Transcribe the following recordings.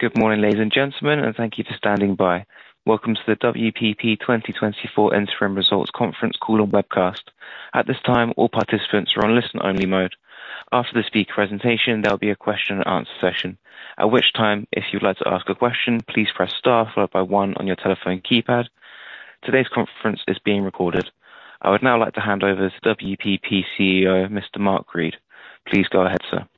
Good morning, ladies and gentlemen, and thank you for standing by. Welcome to the WPP 2024 Interim Results conference call and webcast. At this time, all participants are on listen-only mode. After the speaker presentation, there'll be a question-and-answer session, at which time, if you'd like to ask a question, please press star followed by one on your telephone keypad. Today's conference is being recorded. I would now like to hand over to WPP CEO, Mr. Mark Read. Please go ahead, sir.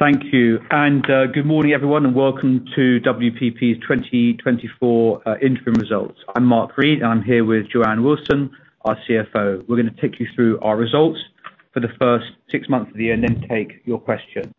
Thank you. And good morning, everyone, and welcome to WPP's 2024 Interim Results. I'm Mark Read, and I'm here with Joanne Wilson, our CFO. We're going to take you through our results for the first six months of the year and then take your questions.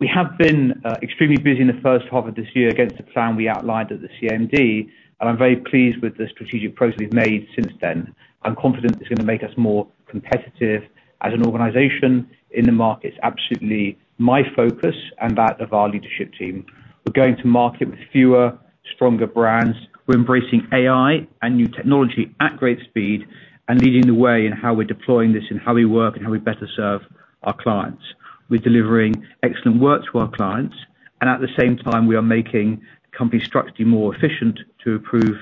We have been extremely busy in the first half of this year against the plan we outlined at the CMD, and I'm very pleased with the strategic progress we've made since then. I'm confident it's going to make us more competitive as an organization in the market. It's absolutely my focus and that of our leadership team. We're going to market with fewer, stronger brands. We're embracing AI and new technology at great speed and leading the way in how we're deploying this and how we work and how we better serve our clients. We're delivering excellent work to our clients, and at the same time, we are making the company structurally more efficient to improve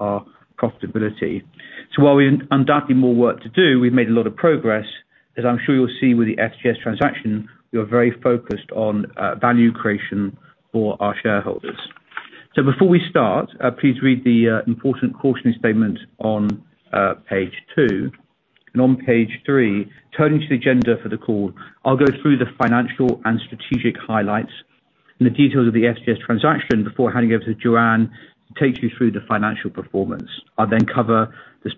our profitability. So while we have undoubtedly more work to do, we've made a lot of progress, as I'm sure you'll see with the FGS transaction. We are very focused on value creation for our shareholders. So before we start, please read the important cautionary statement on page two. On page three, turning to the agenda for the call, I'll go through the financial and strategic highlights and the details of the FGS transaction before handing over to Joanne to take you through the financial performance. I'll then cover the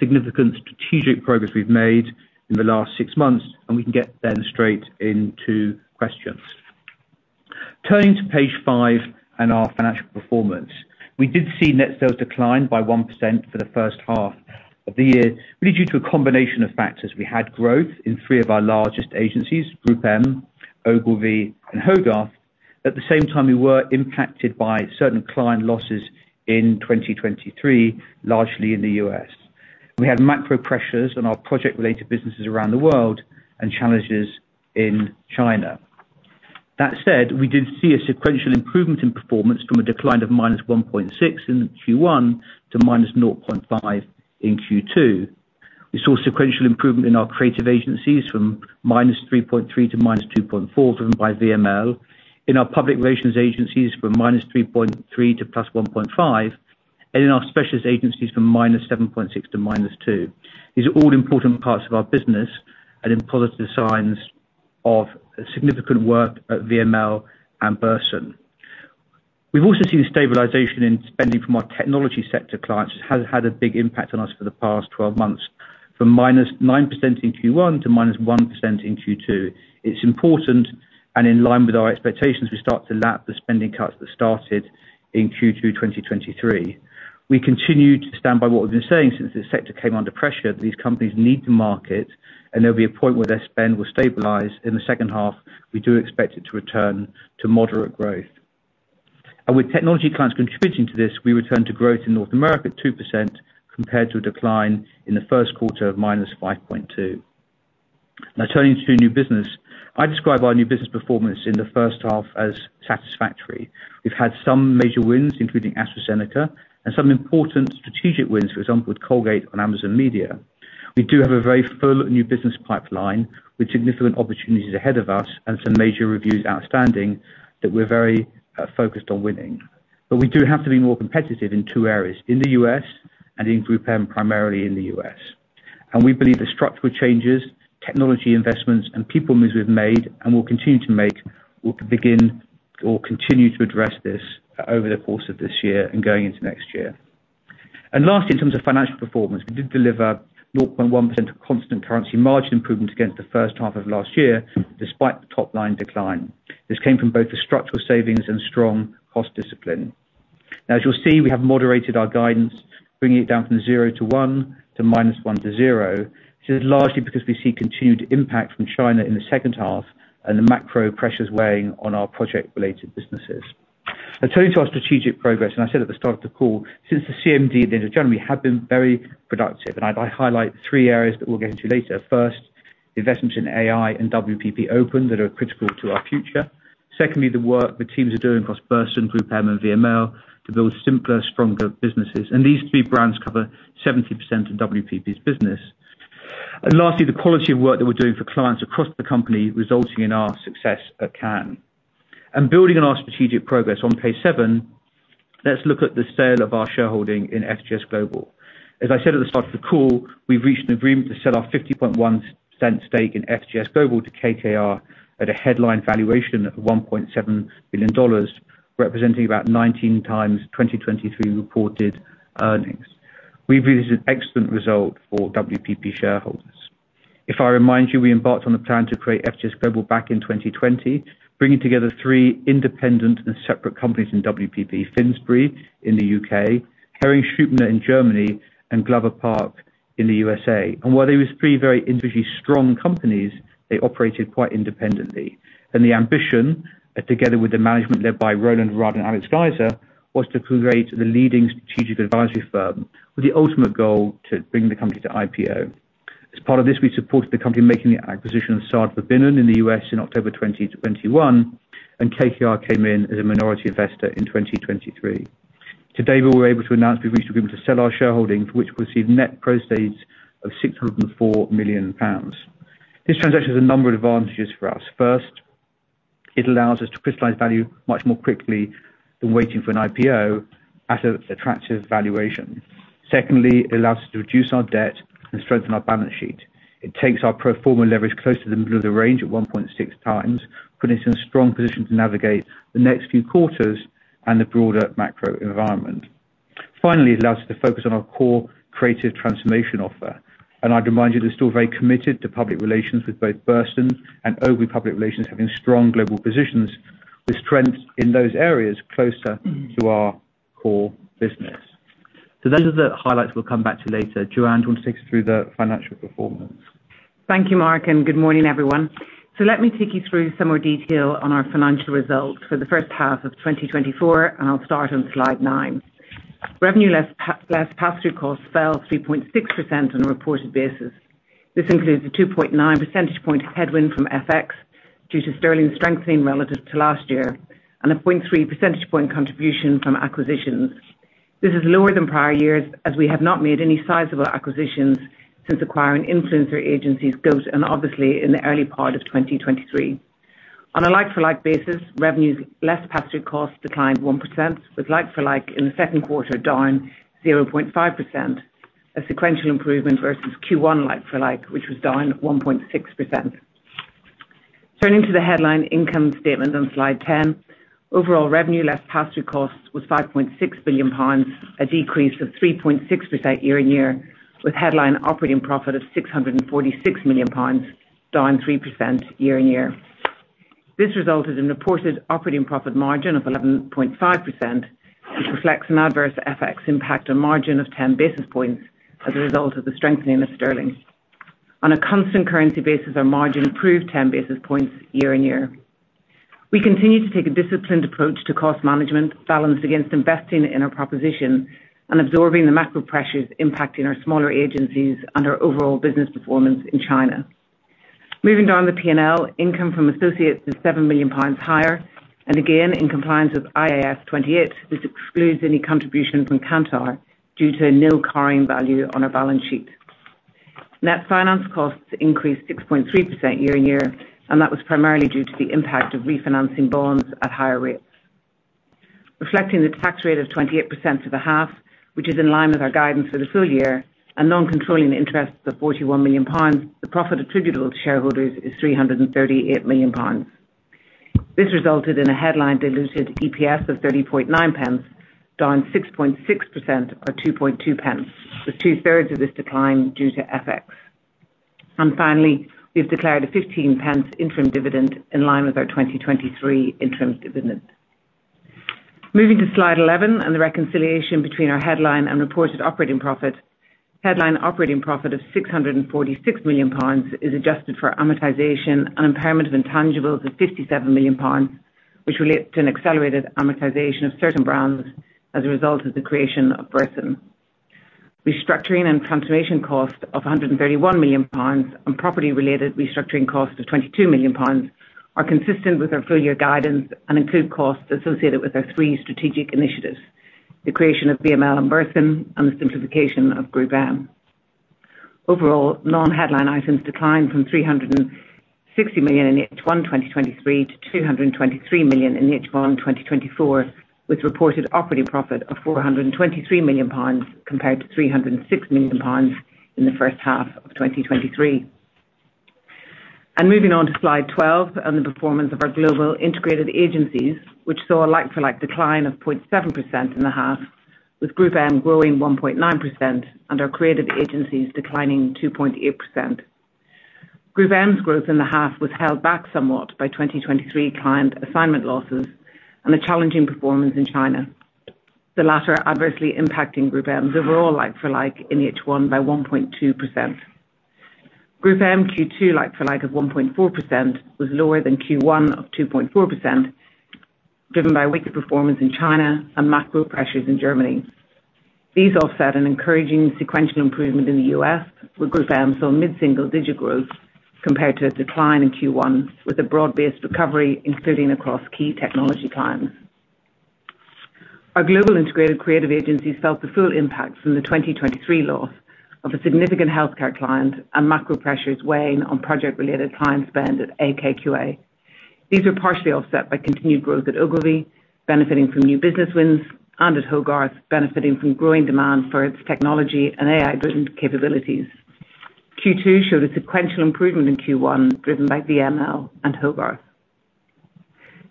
significant strategic progress we've made in the last six months, and we can then get straight into questions. Turning to page five and our financial performance, we did see net sales decline by 1% for the first half of the year, really due to a combination of factors. We had growth in three of our largest agencies, GroupM, Ogilvy, and Hogarth. At the same time, we were impacted by certain client losses in 2023, largely in the U.S. We had macro pressures on our project-related businesses around the world and challenges in China. That said, we did see a sequential improvement in performance from a decline of -1.6% in Q1 to -0.5% in Q2. We saw sequential improvement in our creative agencies from -3.3% to -2.4%, driven by VML. In our public relations agencies, from -3.3% to +1.5%, and in our specialist agencies, from -7.6% to -2%. These are all important parts of our business and in positive signs of significant work at VML and Burson. We've also seen stabilization in spending from our technology sector clients, which has had a big impact on us for the past 12 months, from -9% in Q1 to -1% in Q2. It's important, and in line with our expectations, we start to lap the spending cuts that started in Q2 2023. We continue to stand by what we've been saying since the sector came under pressure, that these companies need to market, and there'll be a point where their spend will stabilize. In the second half, we do expect it to return to moderate growth. With technology clients contributing to this, we returned to growth in North America at 2% compared to a decline in the first quarter of -5.2%. Now, turning to new business, I describe our new business performance in the first half as satisfactory. We've had some major wins, including AstraZeneca, and some important strategic wins, for example, with Colgate and Amazon Media. We do have a very full new business pipeline with significant opportunities ahead of us and some major reviews outstanding that we're very focused on winning. But we do have to be more competitive in two areas: in the U.S. and in GroupM, primarily in the U.S. And we believe the structural changes, technology investments, and people moves we've made, and will continue to make, will begin or continue to address this over the course of this year and going into next year. And lastly, in terms of financial performance, we did deliver 0.1% constant currency margin improvement against the first half of last year, despite the top-line decline. This came from both the structural savings and strong cost discipline. Now, as you'll see, we have moderated our guidance, bringing it down from 0 to 1 to -1 to 0. This is largely because we see continued impact from China in the second half and the macro pressures weighing on our project-related businesses. Now, turning to our strategic progress, and I said at the start of the call, since the CMD at the end of January, we have been very productive. And I'd like to highlight three areas that we'll get into later. First, investments in AI and WPP Open that are critical to our future. Secondly, the work the teams are doing across Burson, GroupM, and VML to build simpler, stronger businesses. And these three brands cover 70% of WPP's business. And lastly, the quality of work that we're doing for clients across the company resulting in our success at Cannes. Building on our strategic progress on page seven, let's look at the sale of our shareholding in FGS Global. As I said at the start of the call, we've reached an agreement to sell our 50.1% stake in FGS Global to KKR at a headline valuation of $1.7 billion, representing about 19x 2023 reported earnings. We view this as an excellent result for WPP shareholders. If I remind you, we embarked on the plan to create FGS Global back in 2020, bringing together three independent and separate companies in WPP: Finsbury in the U.K., Hering Schuppener in Germany, and Glover Park in the U.S.A. While they were three very individually strong companies, they operated quite independently. The ambition, together with the management led by Roland Rudd and Alex Geiser, was to create the leading strategic advisory firm with the ultimate goal to bring the company to IPO. As part of this, we supported the company making the acquisition of Sard Verbinnen in the U.S. in October 2021, and KKR came in as a minority investor in 2023. Today, we were able to announce we've reached an agreement to sell our shareholding, for which we'll receive net proceeds of 604 million pounds. This transaction has a number of advantages for us. First, it allows us to crystallize value much more quickly than waiting for an IPO at an attractive valuation. Secondly, it allows us to reduce our debt and strengthen our balance sheet. It takes our pro forma leverage close to the middle of the range at 1.6x, putting us in a strong position to navigate the next few quarters and the broader macro environment. Finally, it allows us to focus on our core creative transformation offer. I'd remind you that we're still very committed to public relations with both Burson and Ogilvy Public Relations, having strong global positions with strengths in those areas closer to our core business. So those are the highlights we'll come back to later. Joanne, do you want to take us through the financial performance? Thank you, Mark, and good morning, everyone. So let me take you through some more detail on our financial results for the first half of 2024, and I'll start on slide nine. Revenue less pass-through costs fell 3.6% on a reported basis. This includes a 2.9 percentage point headwind from FX due to sterling strengthening relative to last year and a 0.3 percentage point contribution from acquisitions. This is lower than prior years, as we have not made any sizable acquisitions since acquiring influencer agencies Goat and obviously in the early part of 2023. On a like-for-like basis, revenue less pass-through costs declined 1%, with like-for-like in the second quarter down 0.5%, a sequential improvement versus Q1 like-for-like, which was down 1.6%. Turning to the headline income statement on slide 10, overall revenue-led pass-through costs was 5.6 billion pounds, a decrease of 3.6% year-on-year, with headline operating profit of 646 million pounds, down 3% year-on-year. This resulted in reported operating profit margin of 11.5%, which reflects an adverse FX impact on margin of 10 basis points as a result of the strengthening of sterling. On a constant currency basis, our margin improved 10 basis points year-on-year. We continue to take a disciplined approach to cost management, balanced against investing in our proposition and absorbing the macro pressures impacting our smaller agencies and our overall business performance in China. Moving down the P&L, income from associates is GBP 7 million higher, and again, in compliance with IAS 28, this excludes any contribution from Kantar due to a nil carrying value on our balance sheet. Net finance costs increased 6.3% year-on-year, and that was primarily due to the impact of refinancing bonds at higher rates. Reflecting the tax rate of 28% to the half, which is in line with our guidance for the full year, and non-controlling interest of GBP 41 million, the profit attributable to shareholders is GBP 338 million. This resulted in a headline diluted EPS of 30.9, down 6.6% or 0.022, with two-thirds of this decline due to FX. And finally, we've declared a 0.15 interim dividend in line with our 2023 interim dividend. Moving to slide 11 and the reconciliation between our headline and reported operating profit. Headline operating profit of 646 million pounds is adjusted for amortization and impairment of intangibles of 57 million pounds, which relates to an accelerated amortization of certain brands as a result of the creation of Burson. Restructuring and transformation cost of 131 million pounds and property-related restructuring cost of 22 million pounds are consistent with our full-year guidance and include costs associated with our three strategic initiatives: the creation of VML and Burson, and the simplification of GroupM. Overall, non-headline items declined from 360 million in H1 2023 to 223 million in H1 2024, with reported operating profit of 423 million pounds compared to 306 million pounds in the first half of 2023. Moving on to slide 12 and the performance of our global integrated agencies, which saw a like-for-like decline of 0.7% in the half, with GroupM growing 1.9% and our creative agencies declining 2.8%. GroupM's growth in the half was held back somewhat by 2023 client assignment losses and the challenging performance in China, the latter adversely impacting GroupM's overall like-for-like in H1 by 1.2%. GroupM Q2 like-for-like of 1.4% was lower than Q1 of 2.4%, driven by weaker performance in China and macro pressures in Germany. These offset an encouraging sequential improvement in the U.S., where GroupM saw mid-single-digit growth compared to a decline in Q1, with a broad-based recovery including across key technology clients. Our global integrated creative agencies felt the full impact from the 2023 loss of a significant healthcare client and macro pressures weighing on project-related client spend at AKQA. These were partially offset by continued growth at Ogilvy, benefiting from new business wins, and at Hogarth, benefiting from growing demand for its technology and AI-driven capabilities. Q2 showed a sequential improvement in Q1, driven by VML and Hogarth.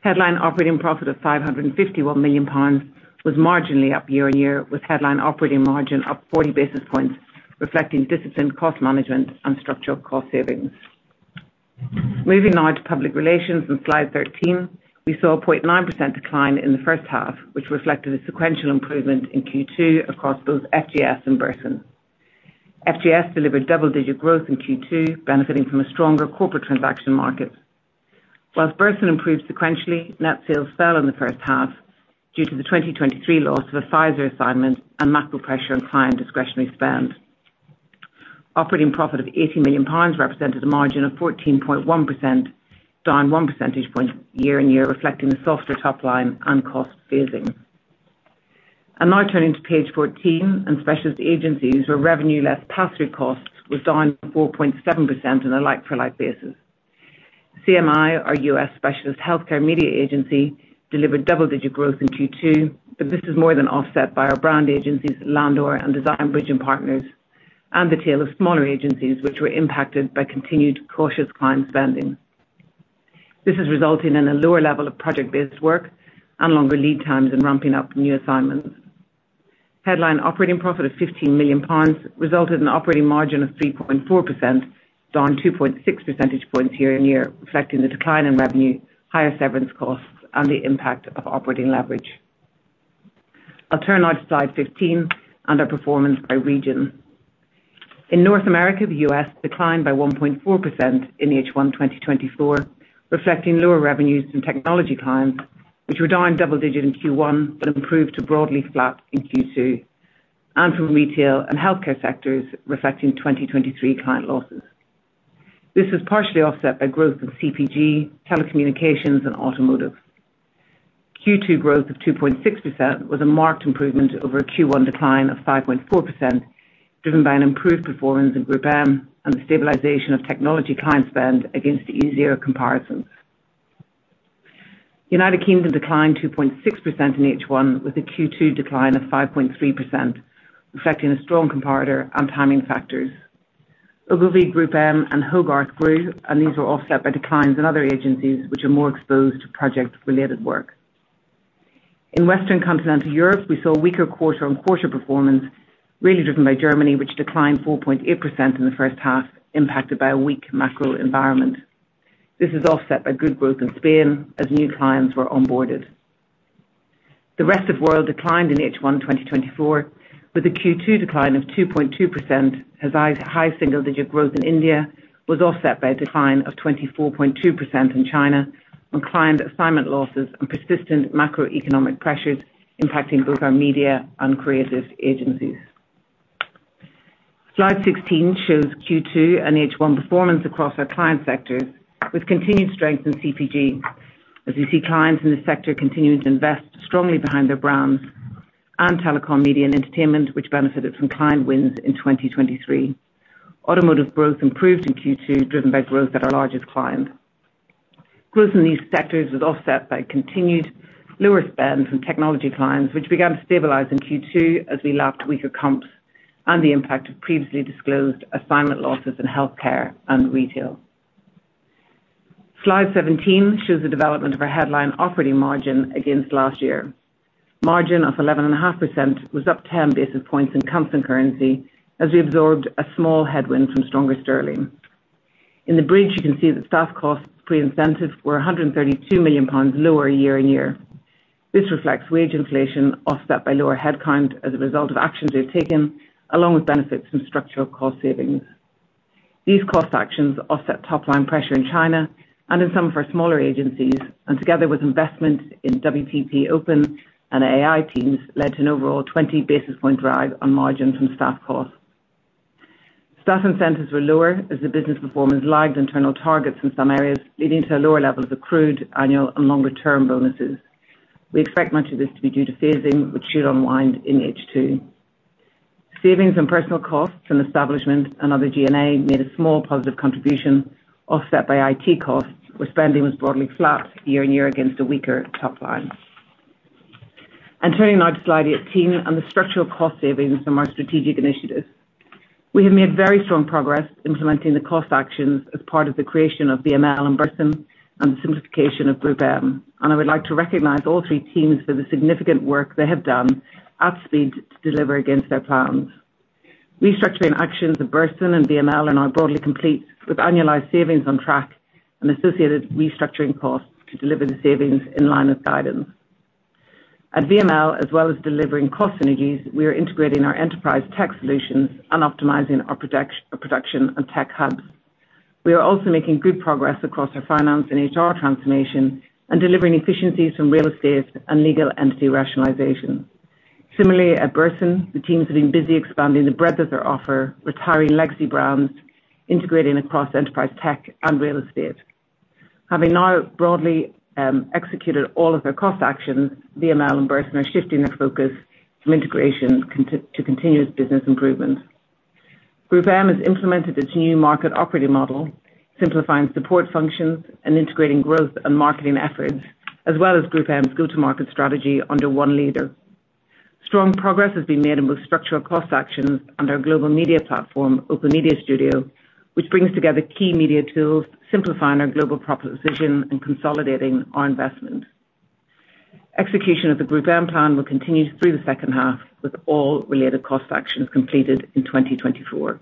Headline operating profit of 551 million pounds was marginally up year-on-year, with headline operating margin up 40 basis points, reflecting disciplined cost management and structural cost savings. Moving now to public relations on slide 13, we saw a 0.9% decline in the first half, which reflected a sequential improvement in Q2 across both FGS and Burson. FGS delivered double-digit growth in Q2, benefiting from a stronger corporate transaction market. While Burson improved sequentially, net sales fell in the first half due to the 2023 loss of a Pfizer assignment and macro pressure on client discretionary spend. Operating profit of 80 million pounds represented a margin of 14.1%, down 1 percentage point year-on-year, reflecting a softer top-line and cost phasing. Now turning to page 14 and specialist agencies, for revenue-led pass-through costs, was down 4.7% on a like-for-like basis. CMI, our U.S. specialist healthcare media agency, delivered double-digit growth in Q2, but this is more than offset by our brand agencies, Landor and Design Bridge and Partners, and the tail of smaller agencies, which were impacted by continued cautious client spending. This has resulted in a lower level of project-based work and longer lead times and ramping up new assignments. Headline operating profit of 15 million pounds resulted in an operating margin of 3.4%, down 2.6 percentage points year-on-year, reflecting the decline in revenue, higher severance costs, and the impact of operating leverage. I'll turn now to slide 15 and our performance by region. In North America, the U.S. declined by 1.4% in H1 2024, reflecting lower revenues from technology clients, which were down double-digit in Q1 but improved to broadly flat in Q2, and from retail and healthcare sectors, reflecting 2023 client losses. This was partially offset by growth in CPG, telecommunications, and automotive. Q2 growth of 2.6% was a marked improvement over a Q1 decline of 5.4%, driven by an improved performance in GroupM and the stabilization of technology client spend against the easier comparisons. United Kingdom declined 2.6% in H1, with a Q2 decline of 5.3%, reflecting a strong comparator and timing factors. Ogilvy, GroupM, and Hogarth grew, and these were offset by declines in other agencies, which are more exposed to project-related work. In Western Continental Europe, we saw weaker quarter-on-quarter performance, really driven by Germany, which declined 4.8% in the first half, impacted by a weak macro environment. This is offset by good growth in Spain as new clients were onboarded. The rest of the world declined in H1 2024, with a Q2 decline of 2.2%, as high single-digit growth in India was offset by a decline of 24.2% in China and client assignment losses and persistent macroeconomic pressures impacting both our media and creative agencies. Slide 16 shows Q2 and H1 performance across our client sectors, with continued strength in CPG, as we see clients in this sector continuing to invest strongly behind their brands and telecom, media, and entertainment, which benefited from client wins in 2023. Automotive growth improved in Q2, driven by growth at our largest client. Growth in these sectors was offset by continued lower spend from technology clients, which began to stabilize in Q2 as we lapped weaker comps and the impact of previously disclosed assignment losses in healthcare and retail. Slide 17 shows the development of our headline operating margin against last year. Margin of 11.5% was up 10 basis points in constant currency as we absorbed a small headwind from stronger sterling. In the bridge, you can see that staff costs pre-incentive were 132 million pounds lower year-on-year. This reflects wage inflation offset by lower headcount as a result of actions we've taken, along with benefits from structural cost savings. These cost actions offset top-line pressure in China and in some of our smaller agencies, and together with investment in WPP Open and AI teams, led to an overall 20 basis point drive on margin from staff costs. Staff incentives were lower as the business performance lagged internal targets in some areas, leading to a lower level of accrued annual and longer-term bonuses. We expect much of this to be due to phasing, which should unwind in H2. Savings on personal costs and establishment and other G&A made a small positive contribution, offset by IT costs, where spending was broadly flat year-on-year against a weaker top-line. Turning now to slide 18 and the structural cost savings from our strategic initiatives. We have made very strong progress implementing the cost actions as part of the creation of VML and Burson and the simplification of GroupM. I would like to recognize all three teams for the significant work they have done at speed to deliver against their plans. Restructuring actions of Burson and VML are now broadly complete, with annualized savings on track and associated restructuring costs to deliver the savings in line with guidance. At VML, as well as delivering cost synergies, we are integrating our enterprise tech solutions and optimizing our production and tech hubs. We are also making good progress across our finance and HR transformation and delivering efficiencies from real estate and legal entity rationalization. Similarly, at Burson, the teams have been busy expanding the breadth of their offer, retiring legacy brands, integrating across enterprise tech and real estate. Having now broadly executed all of their cost actions, VML and Burson are shifting their focus from integration to continuous business improvement. GroupM has implemented its new market operating model, simplifying support functions and integrating growth and marketing efforts, as well as GroupM's go-to-market strategy under one leader. Strong progress has been made in both structural cost actions and our global media platform, Open Media Studio, which brings together key media tools, simplifying our global proposition and consolidating our investment. Execution of the GroupM plan will continue through the second half, with all related cost actions completed in 2024.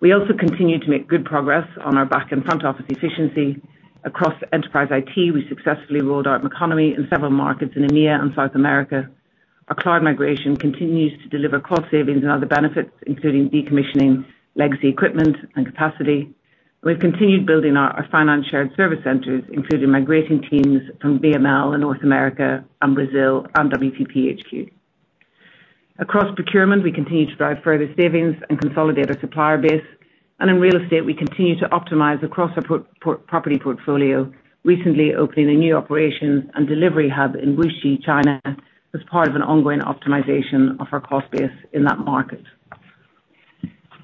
We also continue to make good progress on our back-and-front office efficiency. Across enterprise IT, we successfully rolled out Maconomy in several markets in EMEA and South America. Our cloud migration continues to deliver cost savings and other benefits, including decommissioning legacy equipment and capacity. We've continued building our finance shared service centers, including migrating teams from VML in North America and Brazil and WPP HQ. Across procurement, we continue to drive further savings and consolidate our supplier base. In real estate, we continue to optimize across our property portfolio, recently opening a new operations and delivery hub in Wuxi, China, as part of an ongoing optimization of our cost base in that market.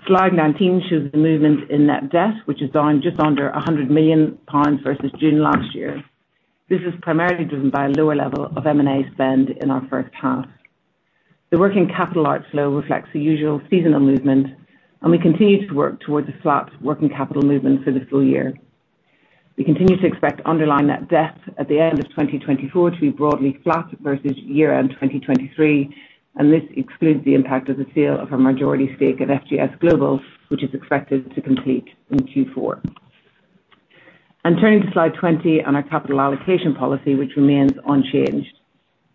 Slide 19 shows the movement in net debt, which is down just under 100 million pounds versus June last year. This is primarily driven by a lower level of M&A spend in our first half. The working capital outflow reflects the usual seasonal movement, and we continue to work towards a flat working capital movement for the full year. We continue to expect underlying net debt at the end of 2024 to be broadly flat versus year-end 2023, and this excludes the impact of the sale of our majority stake at FGS Global, which is expected to complete in Q4. Turning to slide 20 and our capital allocation policy, which remains unchanged,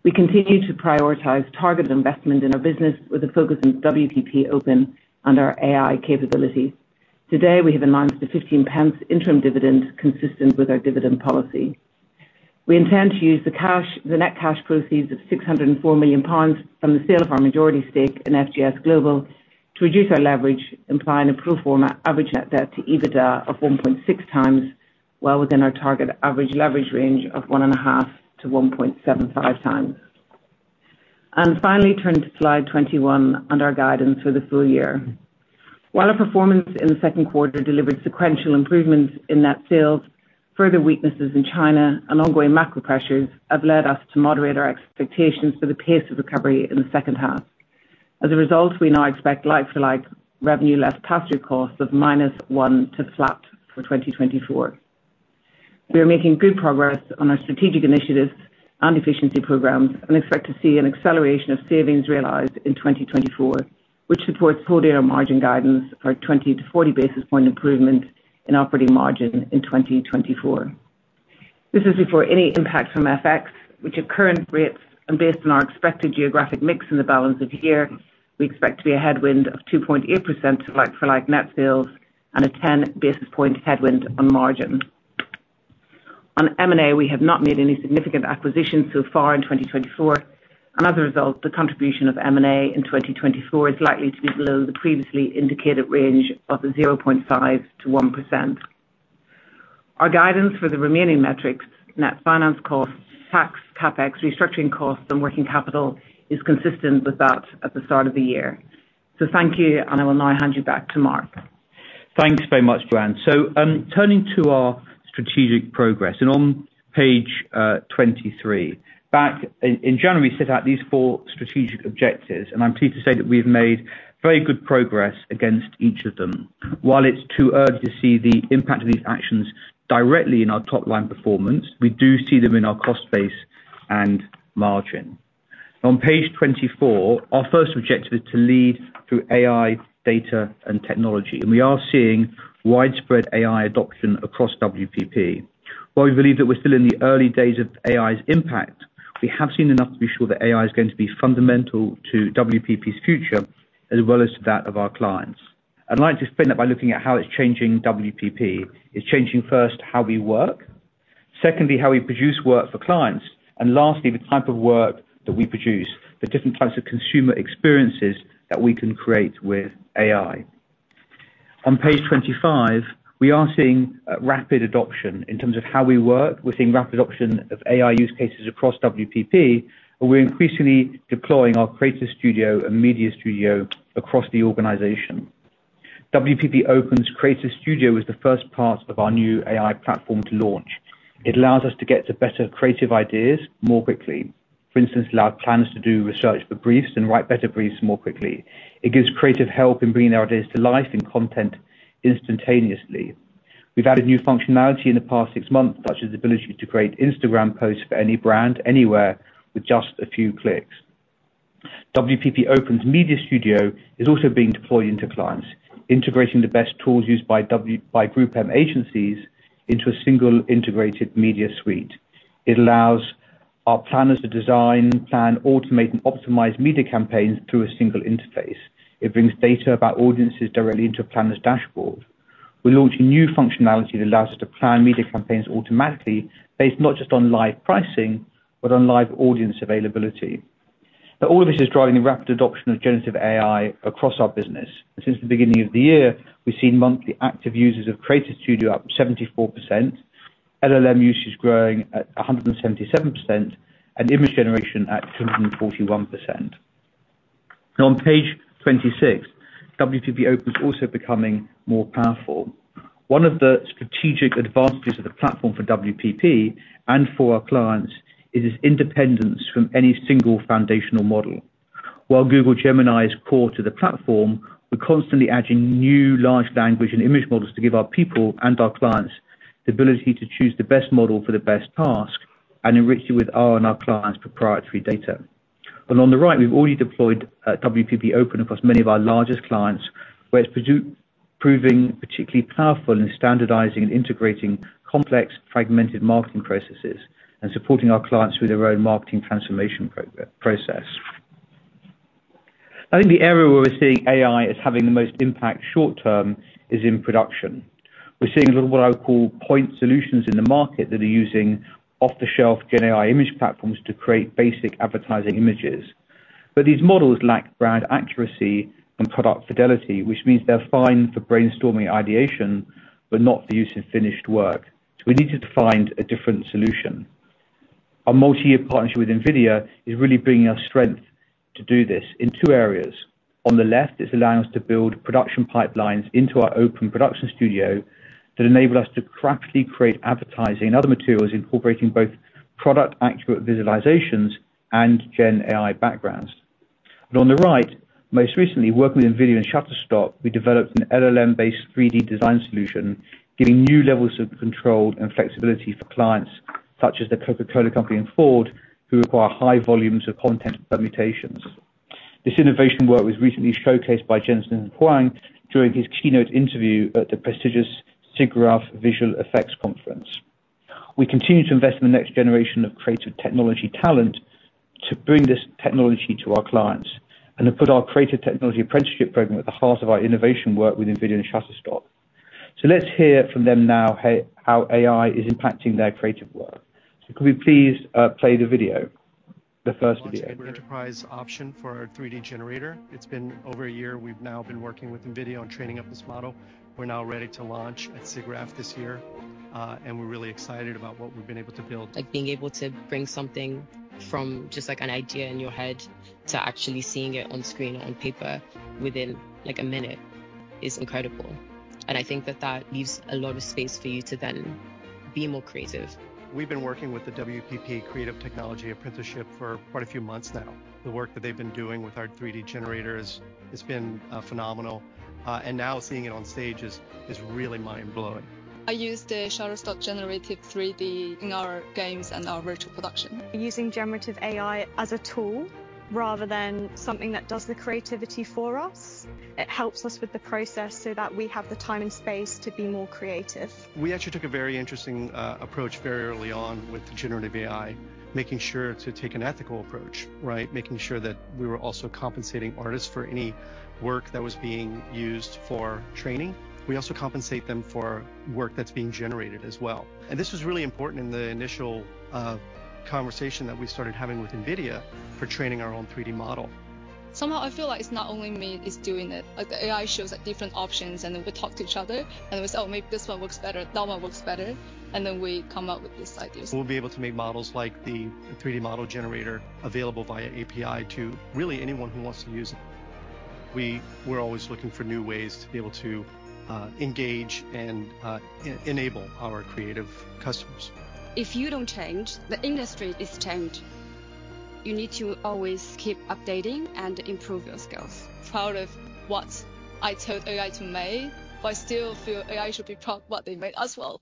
we continue to prioritize targeted investment in our business with a focus on WPP Open and our AI capabilities. Today, we have announced a 0.15 interim dividend consistent with our dividend policy. We intend to use the net cash proceeds of 604 million pounds from the sale of our majority stake in FGS Global to reduce our leverage, implying a pro forma average net debt to EBITDA of 1.6x, while within our target average leverage range of 1.5x-1.75x. Finally, turning to slide 21 and our guidance for the full year. While our performance in the second quarter delivered sequential improvements in net sales, further weaknesses in China and ongoing macro pressures have led us to moderate our expectations for the pace of recovery in the second half. As a result, we now expect like-for-like revenue-led pass-through costs of -1% to flat for 2024. We are making good progress on our strategic initiatives and efficiency programs and expect to see an acceleration of savings realized in 2024, which supports whole data margin guidance for a 20 basis point-40 basis point improvement in operating margin in 2024. This is before any impact from FX, which at current rates and based on our expected geographic mix in the balance of year, we expect to be a headwind of 2.8% to like-for-like net sales and a 10 basis point headwind on margin. On M&A, we have not made any significant acquisitions so far in 2024, and as a result, the contribution of M&A in 2024 is likely to be below the previously indicated range of 0.5%-1%. Our guidance for the remaining metrics, net finance costs, tax, CapEx, restructuring costs, and working capital is consistent with that at the start of the year. So thank you, and I will now hand you back to Mark. Thanks very much, Joanne. So turning to our strategic progress, and on page 23, back in January, we set out these four strategic objectives, and I'm pleased to say that we've made very good progress against each of them. While it's too early to see the impact of these actions directly in our top-line performance, we do see them in our cost base and margin. On page 24, our first objective is to lead through AI, data, and technology, and we are seeing widespread AI adoption across WPP. While we believe that we're still in the early days of AI's impact, we have seen enough to be sure that AI is going to be fundamental to WPP's future as well as to that of our clients. I'd like to explain that by looking at how it's changing WPP. It's changing first how we work, secondly, how we produce work for clients, and lastly, the type of work that we produce, the different types of consumer experiences that we can create with AI. On page 25, we are seeing rapid adoption in terms of how we work. We're seeing rapid adoption of AI use cases across WPP, but we're increasingly deploying our creative studio and media studio across the organization. WPP Open's creative studio is the first part of our new AI platform to launch. It allows us to get to better creative ideas more quickly. For instance, it allows planners to do research for briefs and write better briefs more quickly. It gives creative help in bringing their ideas to life and content instantaneously. We've added new functionality in the past six months, such as the ability to create Instagram posts for any brand anywhere with just a few clicks. WPP Open's media studio is also being deployed into clients, integrating the best tools used by GroupM agencies into a single integrated media suite. It allows our planners to design, plan, automate, and optimize media campaigns through a single interface. It brings data about audiences directly into a planner's dashboard. We're launching new functionality that allows us to plan media campaigns automatically, based not just on live pricing but on live audience availability. All of this is driving the rapid adoption of generative AI across our business. Since the beginning of the year, we've seen monthly active users of creative studio up 74%, LLM usage growing at 177%, and image generation at 241%. On page 26, WPP Open's also becoming more powerful. One of the strategic advantages of the platform for WPP and for our clients is its independence from any single foundational model. While Google Gemini is core to the platform, we're constantly adding new large language and image models to give our people and our clients the ability to choose the best model for the best task and enrich it with our and our clients' proprietary data. On the right, we've already deployed WPP Open across many of our largest clients, where it's proving particularly powerful in standardizing and integrating complex, fragmented marketing processes and supporting our clients through their own marketing transformation process. I think the area where we're seeing AI is having the most impact short-term is in production. We're seeing a lot of what I would call point solutions in the market that are using off-the-shelf GenAI image platforms to create basic advertising images. But these models lack brand accuracy and product fidelity, which means they're fine for brainstorming ideation but not for use in finished work. So we need to find a different solution. Our multi-year partnership with NVIDIA is really bringing us strength to do this in two areas. On the left, it's allowing us to build production pipelines into our Open Production Studio that enable us to craftily create advertising and other materials incorporating both product-accurate visualizations and GenAI backgrounds. And on the right, most recently, working with NVIDIA and Shutterstock, we developed an LLM-based 3D design solution, giving new levels of control and flexibility for clients such as the Coca-Cola Company and Ford, who require high volumes of content permutations. This innovation work was recently showcased by Jensen Huang during his keynote interview at the prestigious SIGGRAPH Visual Effects Conference. We continue to invest in the next generation of creative technology talent to bring this technology to our clients and to put our creative technology apprenticeship program at the heart of our innovation work with NVIDIA and Shutterstock. So let's hear from them now how AI is impacting their creative work. Could we please play the video, the first video? It's an enterprise option for our 3D generator. It's been over a year. We've now been working with NVIDIA on training up this model. We're now ready to launch at SIGGRAPH this year, and we're really excited about what we've been able to build. Being able to bring something from just an idea in your head to actually seeing it on screen or on paper within a minute is incredible. And I think that that leaves a lot of space for you to then be more creative. We've been working with the WPP Creative Technology Apprenticeship for quite a few months now. The work that they've been doing with our 3D generators has been phenomenal, and now seeing it on stage is really mind-blowing. I use the Shutterstock Generative 3D in our games and our virtual production. Using generative AI as a tool rather than something that does the creativity for us. It helps us with the process so that we have the time and space to be more creative. We actually took a very interesting approach very early on with the generative AI, making sure to take an ethical approach, making sure that we were also compensating artists for any work that was being used for training. We also compensate them for work that's being generated as well. This was really important in the initial conversation that we started having with NVIDIA for training our own 3D model. Somehow, I feel like it's not only me that's doing it. The AI shows different options, and then we talk to each other, and we say, "Oh, maybe this one works better, that one works better," and then we come up with these ideas. We'll be able to make models like the 3D model generator available via API to really anyone who wants to use it. We're always looking for new ways to be able to engage and enable our creative customers. If you don't change, the industry is changed. You need to always keep updating and improve your skills. Proud of what I told AI to make, but I still feel AI should be proud of what they made as well.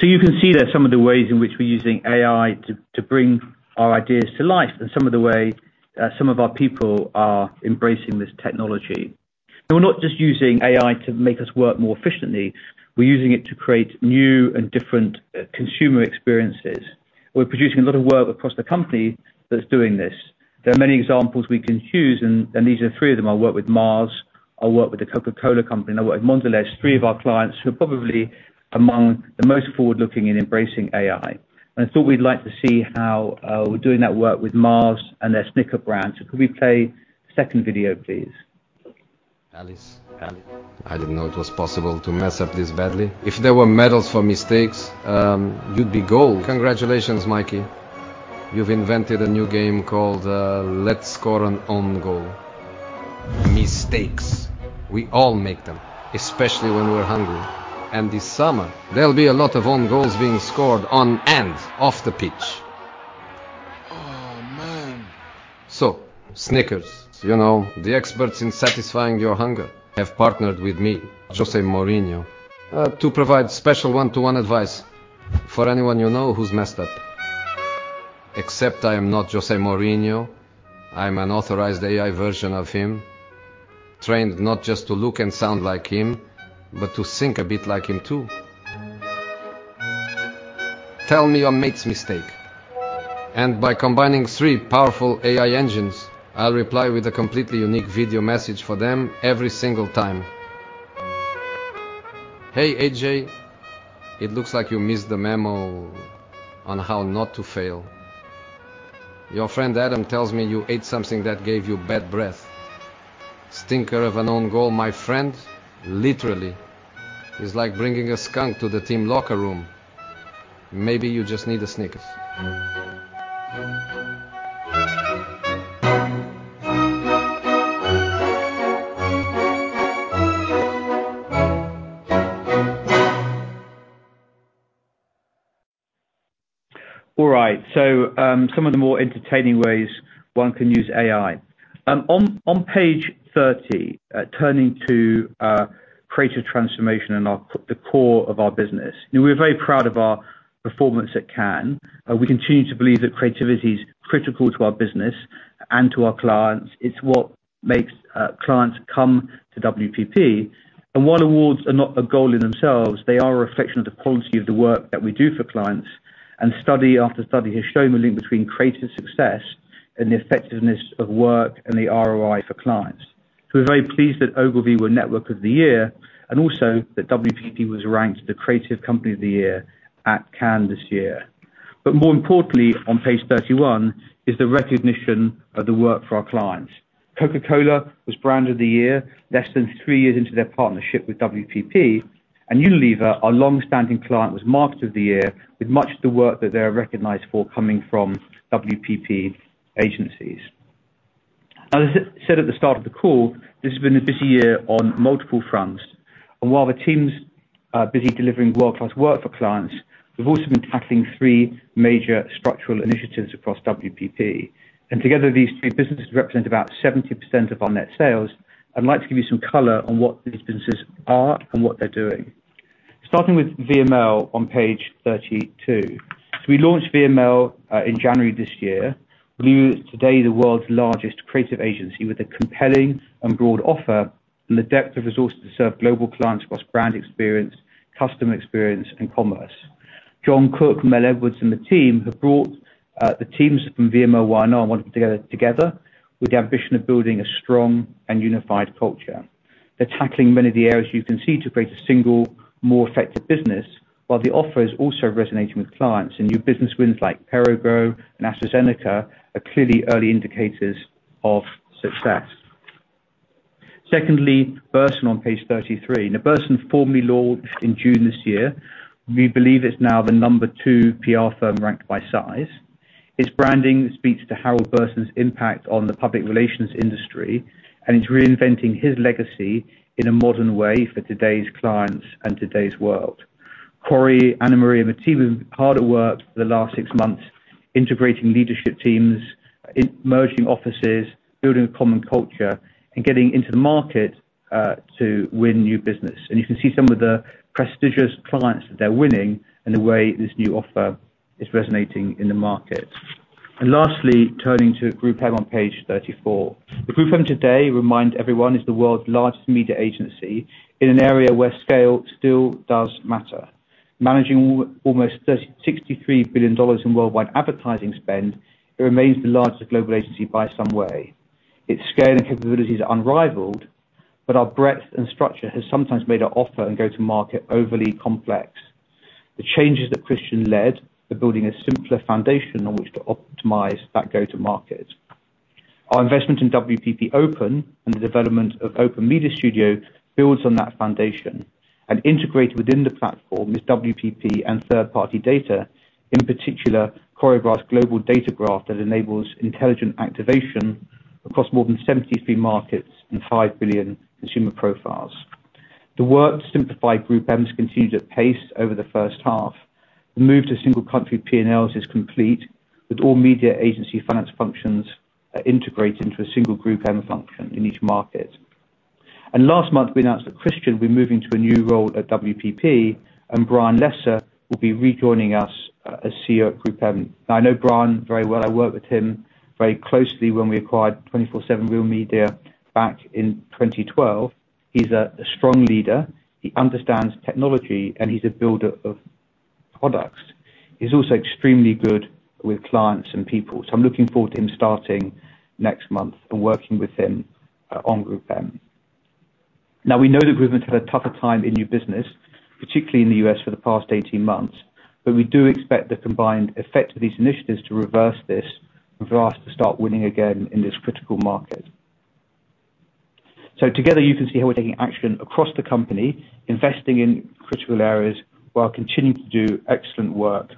So you can see that some of the ways in which we're using AI to bring our ideas to life and some of the ways some of our people are embracing this technology. We're not just using AI to make us work more efficiently. We're using it to create new and different consumer experiences. We're producing a lot of work across the company that's doing this. There are many examples we can choose, and these are three of them. I'll work with Mars. I'll work with the Coca-Cola Company. I'll work with Mondelez, three of our clients who are probably among the most forward-looking in embracing AI. And I thought we'd like to see how we're doing that work with Mars and their Snickers brand. So could we play second video, please? Alice, Alice. I didn't know it was possible to mess up this badly. If there were medals for mistakes, you'd be gold. Congratulations, Mikey. You've invented a new game called Let's Score an Own Goal. Mistakes. We all make them, especially when we're hungry. And this summer, there'll be a lot of own goals being scored on and off the pitch. Oh, man. So, Snickers, you know, the experts in satisfying your hunger, have partnered with me, José Mourinho, to provide special one-to-one advice for anyone you know who's messed up. Except I am not José Mourinho. I'm an authorized AI version of him, trained not just to look and sound like him, but to think a bit like him too. Tell me your mate's mistake. And by combining three powerful AI engines, I'll reply with a completely unique video message for them every single time. Hey, A.J., it looks like you missed the memo on how not to fail. Your friend Adam tells me you ate something that gave you bad breath. Stinker of an own goal, my friend, literally. It's like bringing a skunk to the team locker room. Maybe you just need a Snickers. All right, so some of the more entertaining ways one can use AI. On page 30, turning to creative transformation and the core of our business. We're very proud of our performance at Cannes. We continue to believe that creativity is critical to our business and to our clients. It's what makes clients come to WPP. And while awards are not a goal in themselves, they are a reflection of the quality of the work that we do for clients. And study after study has shown the link between creative success and the effectiveness of work and the ROI for clients. So we're very pleased that Ogilvy were Network of the Year and also that WPP was ranked the Creative Company of the Year at Cannes this year. But more importantly, on page 31 is the recognition of the work for our clients. Coca-Cola was Brand of the Year less than 3 years into their partnership with WPP, and Unilever, our long-standing client, was Marketer of the Year with much of the work that they are recognized for coming from WPP agencies. As I said at the start of the call, this has been a busy year on multiple fronts. And while the team's busy delivering world-class work for clients, we've also been tackling three major structural initiatives across WPP. And together, these three businesses represent about 70% of our net sales. I'd like to give you some color on what these businesses are and what they're doing. Starting with VML on page 32. So we launched VML in January this year. Today, the world's largest creative agency with a compelling and broad offer and the depth of resources to serve global clients across brand experience, customer experience, and commerce. Jon Cook, Mel Edwards, and the team have brought the teams from VMLY&R and Wunderman Thompson together with the ambition of building a strong and unified culture. They're tackling many of the areas you can see to create a single, more effective business, while the offer is also resonating with clients. And new business wins like Perrigo and AstraZeneca are clearly early indicators of success. Secondly, Burson on page 33. Now, Burson formally launched in June this year. We believe it's now the number two PR firm ranked by size. Its branding speaks to Harold Burson's impact on the public relations industry, and it's reinventing his legacy in a modern way for today's clients and today's world. Corey, AnnaMaria, and Matteo have been hard at work for the last six months, integrating leadership teams, merging offices, building a common culture, and getting into the market to win new business. And you can see some of the prestigious clients that they're winning and the way this new offer is resonating in the market. And lastly, turning to GroupM on page 34. The GroupM today, remind everyone, is the world's largest media agency in an area where scale still does matter. Managing almost $63 billion in worldwide advertising spend, it remains the largest global agency by some way. Its scale and capabilities are unrivaled, but our breadth and structure has sometimes made our offer and go-to-market overly complex. The changes that Christian led are building a simpler foundation on which to optimize that go-to-market. Our investment in WPP Open and the development of Open Media Studio builds on that foundation. Integrated within the platform is WPP and third-party data, in particular, Choreograph's Global Data Graph that enables intelligent activation across more than 73 markets and 5 billion consumer profiles. The work to simplify GroupM has continued at pace over the first half. The move to single-country P&Ls is complete, with all media agency finance functions integrated into a single GroupM function in each market. Last month, we announced that Christian will be moving to a new role at WPP, and Brian Lesser will be rejoining us as CEO at GroupM. Now, I know Brian very well. I worked with him very closely when we acquired 24/7 Real Media back in 2012. He's a strong leader. He understands technology, and he's a builder of products. He's also extremely good with clients and people. So I'm looking forward to him starting next month and working with him on GroupM. Now, we know that GroupM has had a tougher time in new business, particularly in the U.S. for the past 18 months, but we do expect the combined effect of these initiatives to reverse this and for us to start winning again in this critical market. So together, you can see how we're taking action across the company, investing in critical areas while continuing to do excellent work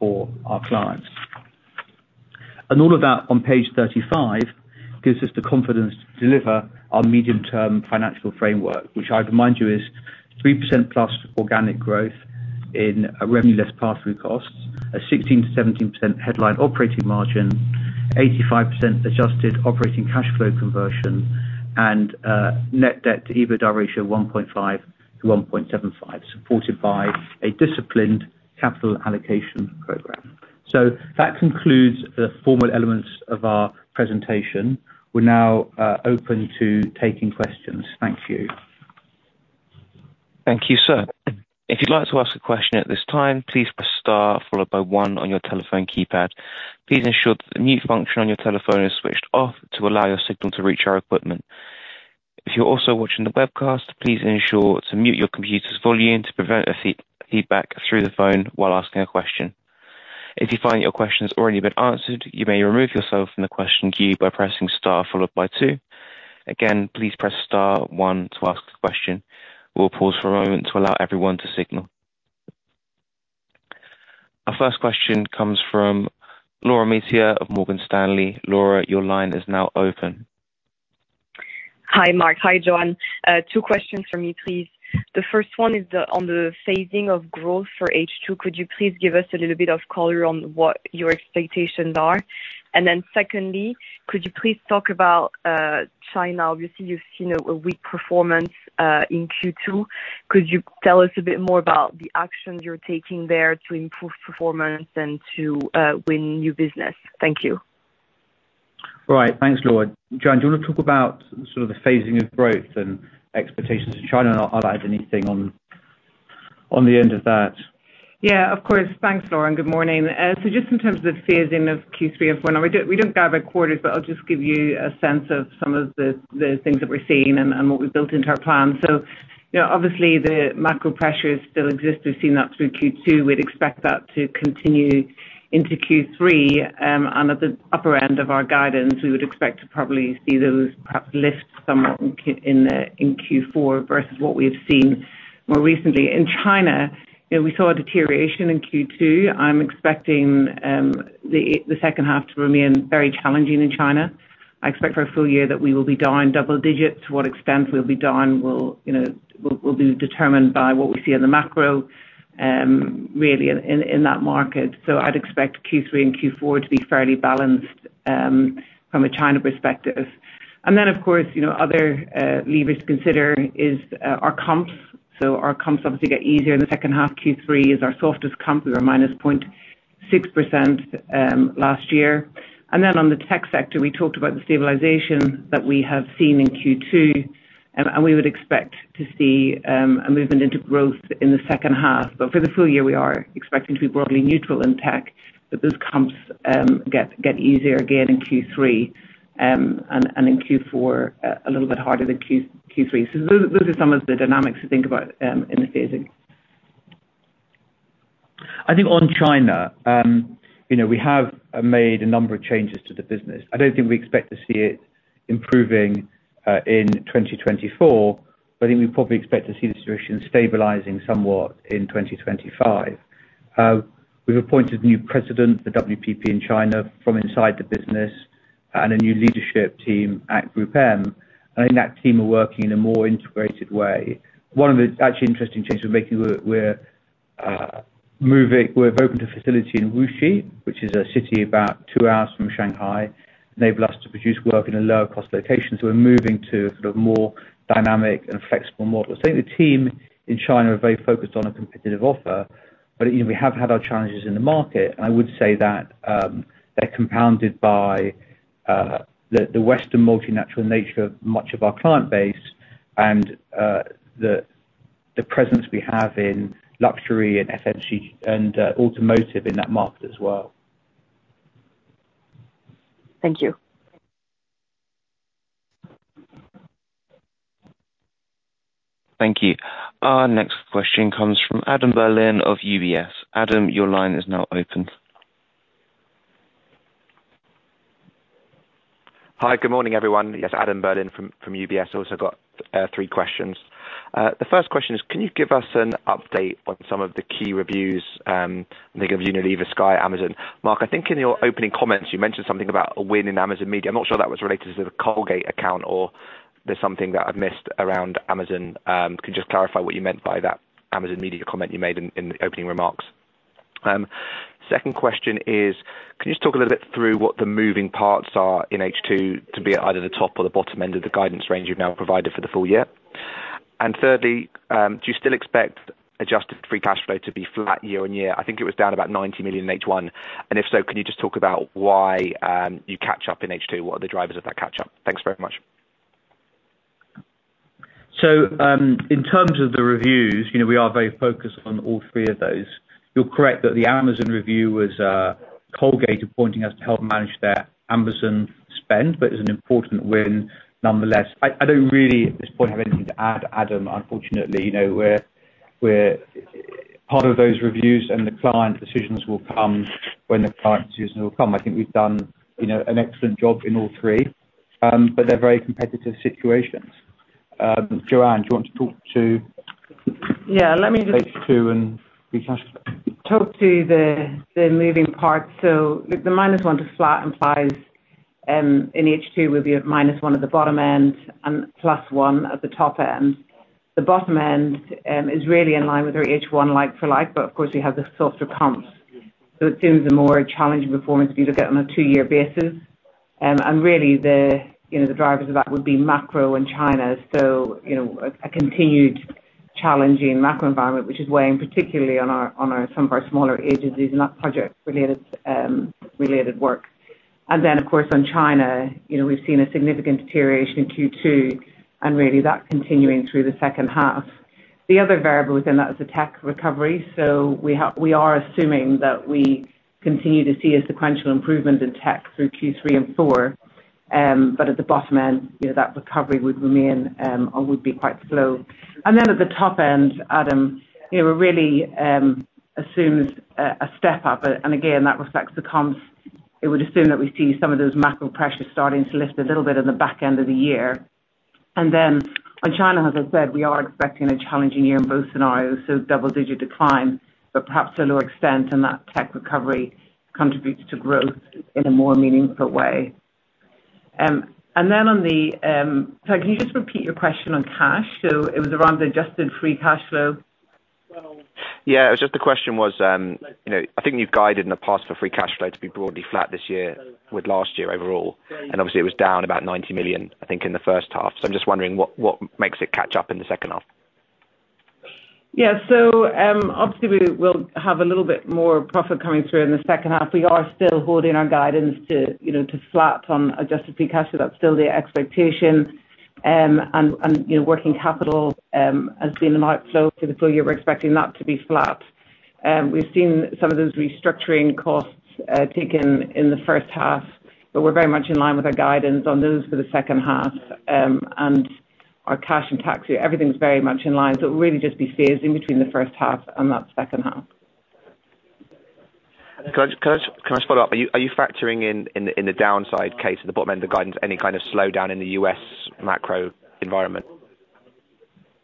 for our clients. All of that on page 35 gives us the confidence to deliver our medium-term financial framework, which I'd remind you is 3%+ organic growth in revenue-less pass-through costs, a 16%-17% headline operating margin, 85% adjusted operating cash flow conversion, and net debt-to-EBITDA ratio of 1.5-1.75, supported by a disciplined capital allocation program. That concludes the formal elements of our presentation. We're now open to taking questions. Thank you. Thank you, sir. If you'd like to ask a question at this time, please. A star followed by one on your telephone keypad. Please ensure that the mute function on your telephone is switched off to allow your signal to reach our equipment. If you're also watching the webcast, please ensure to mute your computer's volume to prevent feedback through the phone while asking a question. If you find that your question has already been answered, you may remove yourself from the question queue by pressing star followed by two. Again, please press star one to ask the question. We'll pause for a moment to allow everyone to signal. Our first question comes from Laura Metayer of Morgan Stanley. Laura, your line is now open. Hi, Mark. Hi, Joanne. Two questions for me, please. The first one is on the phasing of growth for H2. Could you please give us a little bit of color on what your expectations are? And then secondly, could you please talk about China? Obviously, you've seen a weak performance in Q2. Could you tell us a bit more about the actions you're taking there to improve performance and to win new business? Thank you. Right. Thanks, Laura. Joanne, do you want to talk about the phasing of growth and expectations in China? I'll add anything on the end of that. Yeah, of course. Thanks, Laura. Good morning. So just in terms of the phasing of Q3 and Q4, we don't gather quarters, but I'll just give you a sense of some of the things that we're seeing and what we've built into our plan. So obviously, the macro pressure still exists. We've seen that through Q2. We'd expect that to continue into Q3. At the upper end of our guidance, we would expect to probably see those perhaps lift somewhat in Q4 versus what we've seen more recently. In China, we saw a deterioration in Q2. I'm expecting the second half to remain very challenging in China. I expect for a full year that we will be down double digits. To what extent we'll be down will be determined by what we see in the macro really in that market. So I'd expect Q3 and Q4 to be fairly balanced from a China perspective. Of course, other levers to consider are comps. So our comps obviously get easier in the second half. Q3 is our softest comp. We were -0.6% last year. On the tech sector, we talked about the stabilization that we have seen in Q2, and we would expect to see a movement into growth in the second half. For the full year, we are expecting to be broadly neutral in tech, but those comps get easier again in Q3 and in Q4 a little bit harder than Q3. So those are some of the dynamics to think about in the phasing. I think on China, we have made a number of changes to the business. I don't think we expect to see it improving in 2024, but I think we probably expect to see the situation stabilizing somewhat in 2025. We've appointed a new president for WPP in China from inside the business and a new leadership team at GroupM. I think that team are working in a more integrated way. One of the actually interesting changes we're making, we're moving to a facility in Wuxi, which is a city about two hours from Shanghai. They've asked us to produce work in a lower-cost location. We're moving to a more dynamic and flexible model. I think the team in China are very focused on a competitive offer, but we have had our challenges in the market. I would say that they're compounded by the Western multinational nature of much of our client base and the presence we have in luxury and automotive in that market as well. Thank you. Thank you. Our next question comes from Adam Berlin of UBS. Adam, your line is now open. Hi, good morning, everyone. Yes, Adam Berlin from UBS. I also got three questions. The first question is, can you give us an update on some of the key reviews? I think of Unilever, Sky, Amazon. Mark, I think in your opening comments, you mentioned something about a win in Amazon Media. I'm not sure that was related to the Colgate account or there's something that I've missed around Amazon. Can you just clarify what you meant by that Amazon Media comment you made in the opening remarks? Second question is, can you just talk a little bit through what the moving parts are in H2 to be at either the top or the bottom end of the guidance range you've now provided for the full year? And thirdly, do you still expect adjusted free cash flow to be flat year-on-year? I think it was down about 90 million in H1. And if so, can you just talk about why you catch up in H2? What are the drivers of that catch-up? Thanks very much. So in terms of the reviews, we are very focused on all three of those. You're correct that the Amazon review was Colgate appointing us to help manage their Amazon spend, but it's an important win nonetheless. I don't really at this point have anything to add. Adam, unfortunately, we're part of those reviews, and the client decisions will come when the client decisions will come. I think we've done an excellent job in all three, but they're very competitive situations. Joanne, do you want to talk to H2 and free cash flow? Talk to the moving parts. So the -1 to flat implies in H2 we'll be at -1 at the bottom end and +1 at the top end. The bottom end is really in line with our H1 like for like, but of course, we have the softer comps. So it seems a more challenging performance if you look at it on a two-year basis. And really, the drivers of that would be macro in China. So a continued challenging macro environment, which is weighing particularly on some of our smaller agencies and that project-related work. And then, of course, on China, we've seen a significant deterioration in Q2 and really that continuing through the second half. The other variable within that is the tech recovery. So we are assuming that we continue to see a sequential improvement in tech through Q3 and Q4, but at the bottom end, that recovery would remain or would be quite slow. And then at the top end, Adam, it really assumes a step-up. And again, that reflects the comps. It would assume that we see some of those macro pressures starting to lift a little bit in the back end of the year. And then on China, as I said, we are expecting a challenging year in both scenarios. So double-digit decline, but perhaps to a lower extent in that tech recovery contributes to growth in a more meaningful way. Then on the—sorry, can you just repeat your question on cash? So it was around the adjusted free cash flow. Yeah, it was just the question was I think you've guided in the past for free cash flow to be broadly flat this year with last year overall. And obviously, it was down about 90 million, I think, in the first half. So I'm just wondering what makes it catch up in the second half. Yeah. So obviously, we'll have a little bit more profit coming through in the second half. We are still holding our guidance to flat on adjusted free cash flow. That's still the expectation. And working capital has been in outflow through the full year. We're expecting that to be flat. We've seen some of those restructuring costs taken in the first half, but we're very much in line with our guidance on those for the second half. Our cash and tax year, everything's very much in line. So it'll really just be phasing between the first half and that second half. Can I speak up? Are you factoring in the downside case at the bottom end of the guidance, any kind of slowdown in the U.S. macro environment?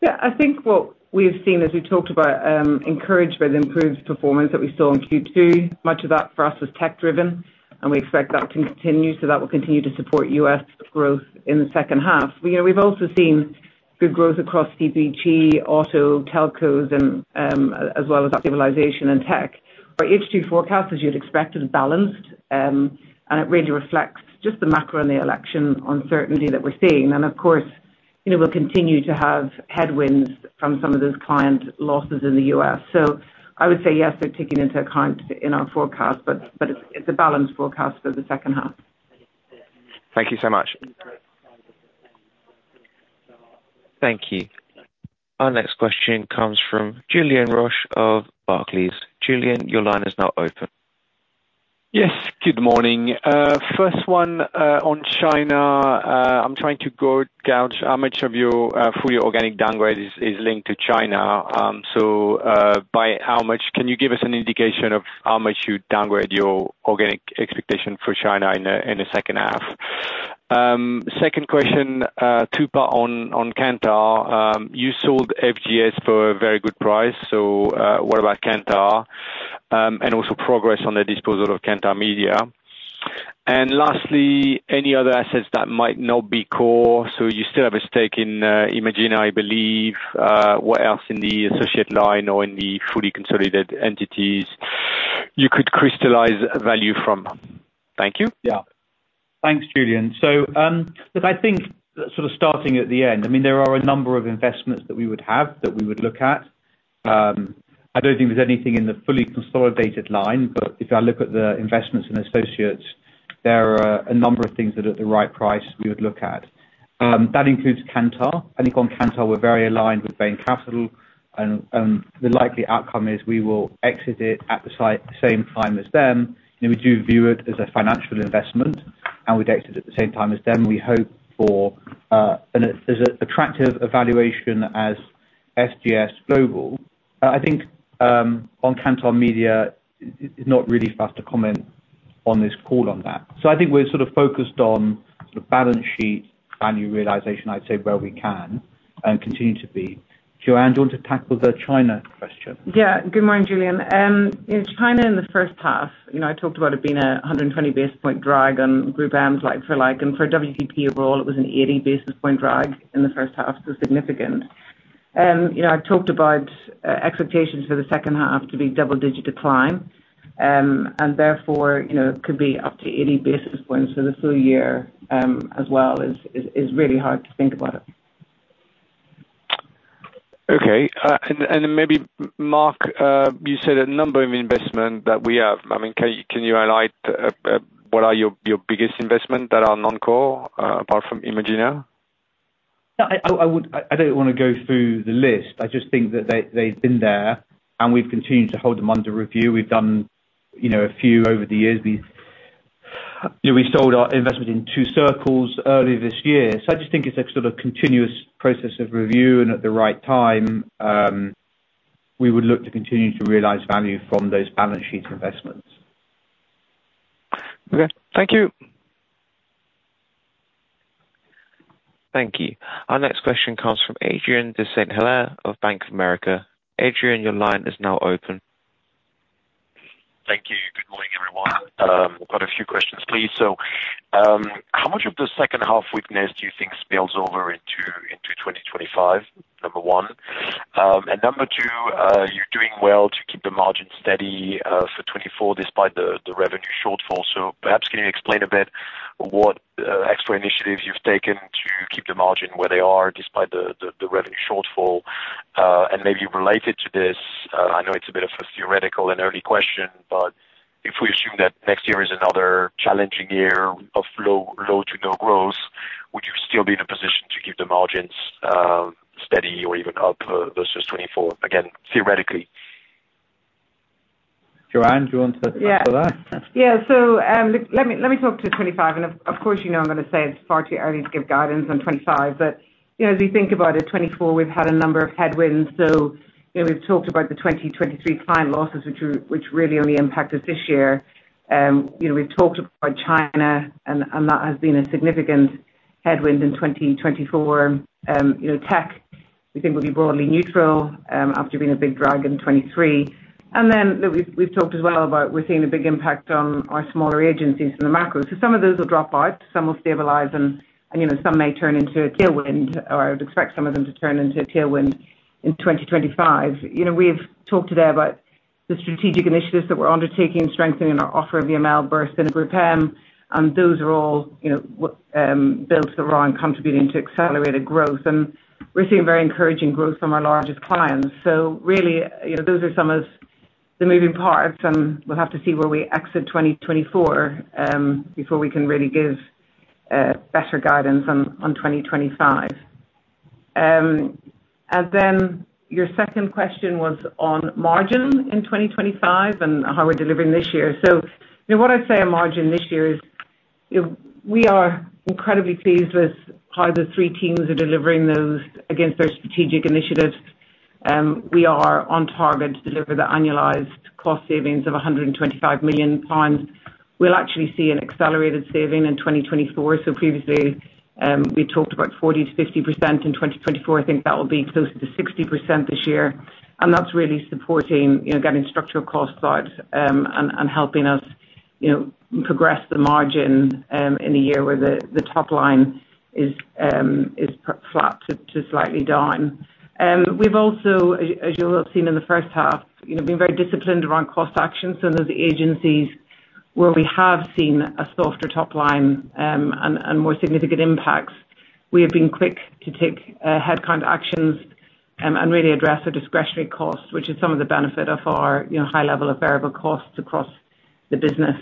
Yeah. I think what we've seen, as we talked about, encouragement improves performance that we saw in Q2. Much of that for us was tech-driven, and we expect that to continue. So that will continue to support U.S. growth in the second half. We've also seen good growth across CBG, auto, telcos, as well as that stabilization in tech. Our H2 forecast, as you'd expected, is balanced, and it really reflects just the macro and the election uncertainty that we're seeing. Of course, we'll continue to have headwinds from some of those client losses in the U.S. So I would say, yes, they're taking into account in our forecast, but it's a balanced forecast for the second half. Thank you so much. Thank you. Our next question comes from Julien Roch of Barclays. Julien, your line is now open. Yes. Good morning. First one on China. I'm trying to gauge how much of your fully organic downgrade is linked to China. So by how much can you give us an indication of how much you downgrade your organic expectation for China in the second half? Second question, talk about Kantar. You sold FGS for a very good price. So what about Kantar? And also progress on the disposal of Kantar Media. And lastly, any other assets that might not be core? So you still have a stake in Imagina, I believe. What else in the associate line or in the fully consolidated entities you could crystallize value from? Thank you. Yeah. Thanks, Julin. So look, I think sort of starting at the end, I mean, there are a number of investments that we would have that we would look at. I don't think there's anything in the fully consolidated line, but if I look at the investments and associates, there are a number of things that at the right price we would look at. That includes Kantar. I think on Kantar, we're very aligned with Bain Capital. And the likely outcome is we will exit it at the same time as them. We do view it as a financial investment, and we'd exit at the same time as them. We hope for an attractive valuation as FGS Global. I think on Kantar Media, it's not really best to comment on this call on that. So I think we're sort of focused on balance sheet value realization, I'd say, where we can and continue to be. Joanne, do you want to tackle the China question? Yeah. Good morning, Julian. China in the first half, I talked about it being a 120 basis points drag on GroupM's like-for-like. And for WPP overall, it was an 80 basis points drag in the first half. So significant. I've talked about expectations for the second half to be double-digit decline. And therefore, it could be up to 80 basis points for the full year as well is really hard to think about. Okay. And then maybe, Mark, you said a number of investments that we have. I mean, can you highlight what are your biggest investments that are non-core apart from Imagina? I don't want to go through the list. I just think that they've been there, and we've continued to hold them under review. We've done a few over the years. We sold our investment in Two Circles earlier this year. So I just think it's a sort of continuous process of review. And at the right time, we would look to continue to realize value from those balance sheet investments. Okay. Thank you. Thank you. Our next question comes from Adrien de Saint Hilaire of Bank of America. Adrien, your line is now open. Thank you. Good morning, everyone. Got a few questions, please. So how much of the second half weakness do you think spills over into 2025? Number one. Number two, you're doing well to keep the margin steady for 2024 despite the revenue shortfall. So perhaps can you explain a bit what extra initiatives you've taken to keep the margin where they are despite the revenue shortfall? And maybe related to this, I know it's a bit of a theoretical and early question, but if we assume that next year is another challenging year of low to no growth, would you still be in a position to keep the margins steady or even up versus 2024? Again, theoretically. Joanne, do you want to answer that? Yeah. So let me talk to 2025. And of course, you know I'm going to say it's far too early to give guidance on 2025. But as we think about it, 2024, we've had a number of headwinds. So we've talked about the 2023 client losses, which really only impacted this year. We've talked about China, and that has been a significant headwind in 2024. Tech, we think will be broadly neutral after being a big drag in 2023. And then we've talked as well about we're seeing a big impact on our smaller agencies and the macro. So some of those will drop out. Some will stabilize, and some may turn into a tailwind, or I would expect some of them to turn into a tailwind in 2025. We've talked today about the strategic initiatives that we're undertaking, strengthening our offer of EMEA, Burson, and GroupM. And those are all builds that we're on contributing to accelerated growth. And we're seeing very encouraging growth from our largest clients. So really, those are some of the moving parts, and we'll have to see where we exit 2024 before we can really give better guidance on 2025. Then your second question was on margin in 2025 and how we're delivering this year. What I'd say on margin this year is we are incredibly pleased with how the three teams are delivering those against their strategic initiatives. We are on target to deliver the annualized cost savings of 125 million. We'll actually see an accelerated saving in 2024. Previously, we talked about 40%-50% in 2024. I think that will be close to 60% this year. And that's really supporting getting structural costs out and helping us progress the margin in a year where the top line is flat to slightly down. We've also, as you'll have seen in the first half, been very disciplined around cost actions. And those agencies where we have seen a softer top line and more significant impacts, we have been quick to take headcount actions and really address our discretionary costs, which is some of the benefit of our high level of variable costs across the business.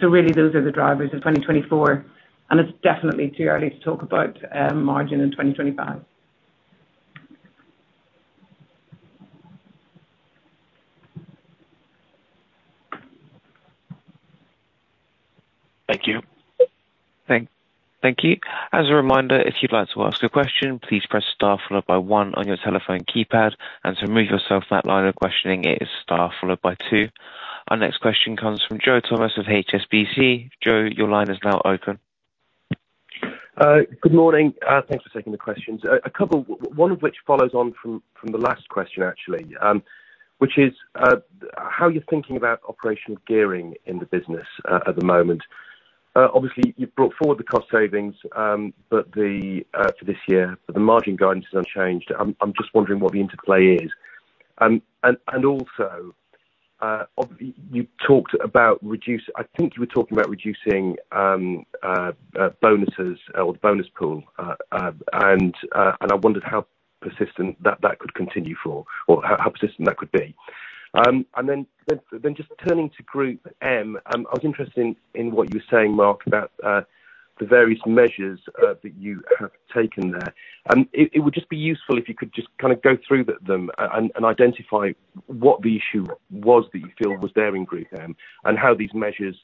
So really, those are the drivers in 2024. And it's definitely too early to talk about margin in 2025. Thank you. Thank you. As a reminder, if you'd like to ask a question, please press star followed by one on your telephone keypad. And to remove yourself from that line of questioning, it is star followed by two. Our next question comes from Joe Thomas of HSBC. Joe, your line is now open. Good morning. Thanks for taking the questions. One of which follows on from the last question, actually, which is how you're thinking about operational gearing in the business at the moment. Obviously, you've brought forward the cost savings, but for this year, the margin guidance is unchanged. I'm just wondering what the interplay is. And also, you talked about reducing, I think you were talking about reducing bonuses or the bonus pool. And I wondered how persistent that could continue for or how persistent that could be. And then just turning to GroupM, I was interested in what you were saying, Mark, about the various measures that you have taken there. It would just be useful if you could just kind of go through them and identify what the issue was that you feel was there in GroupM and how these measures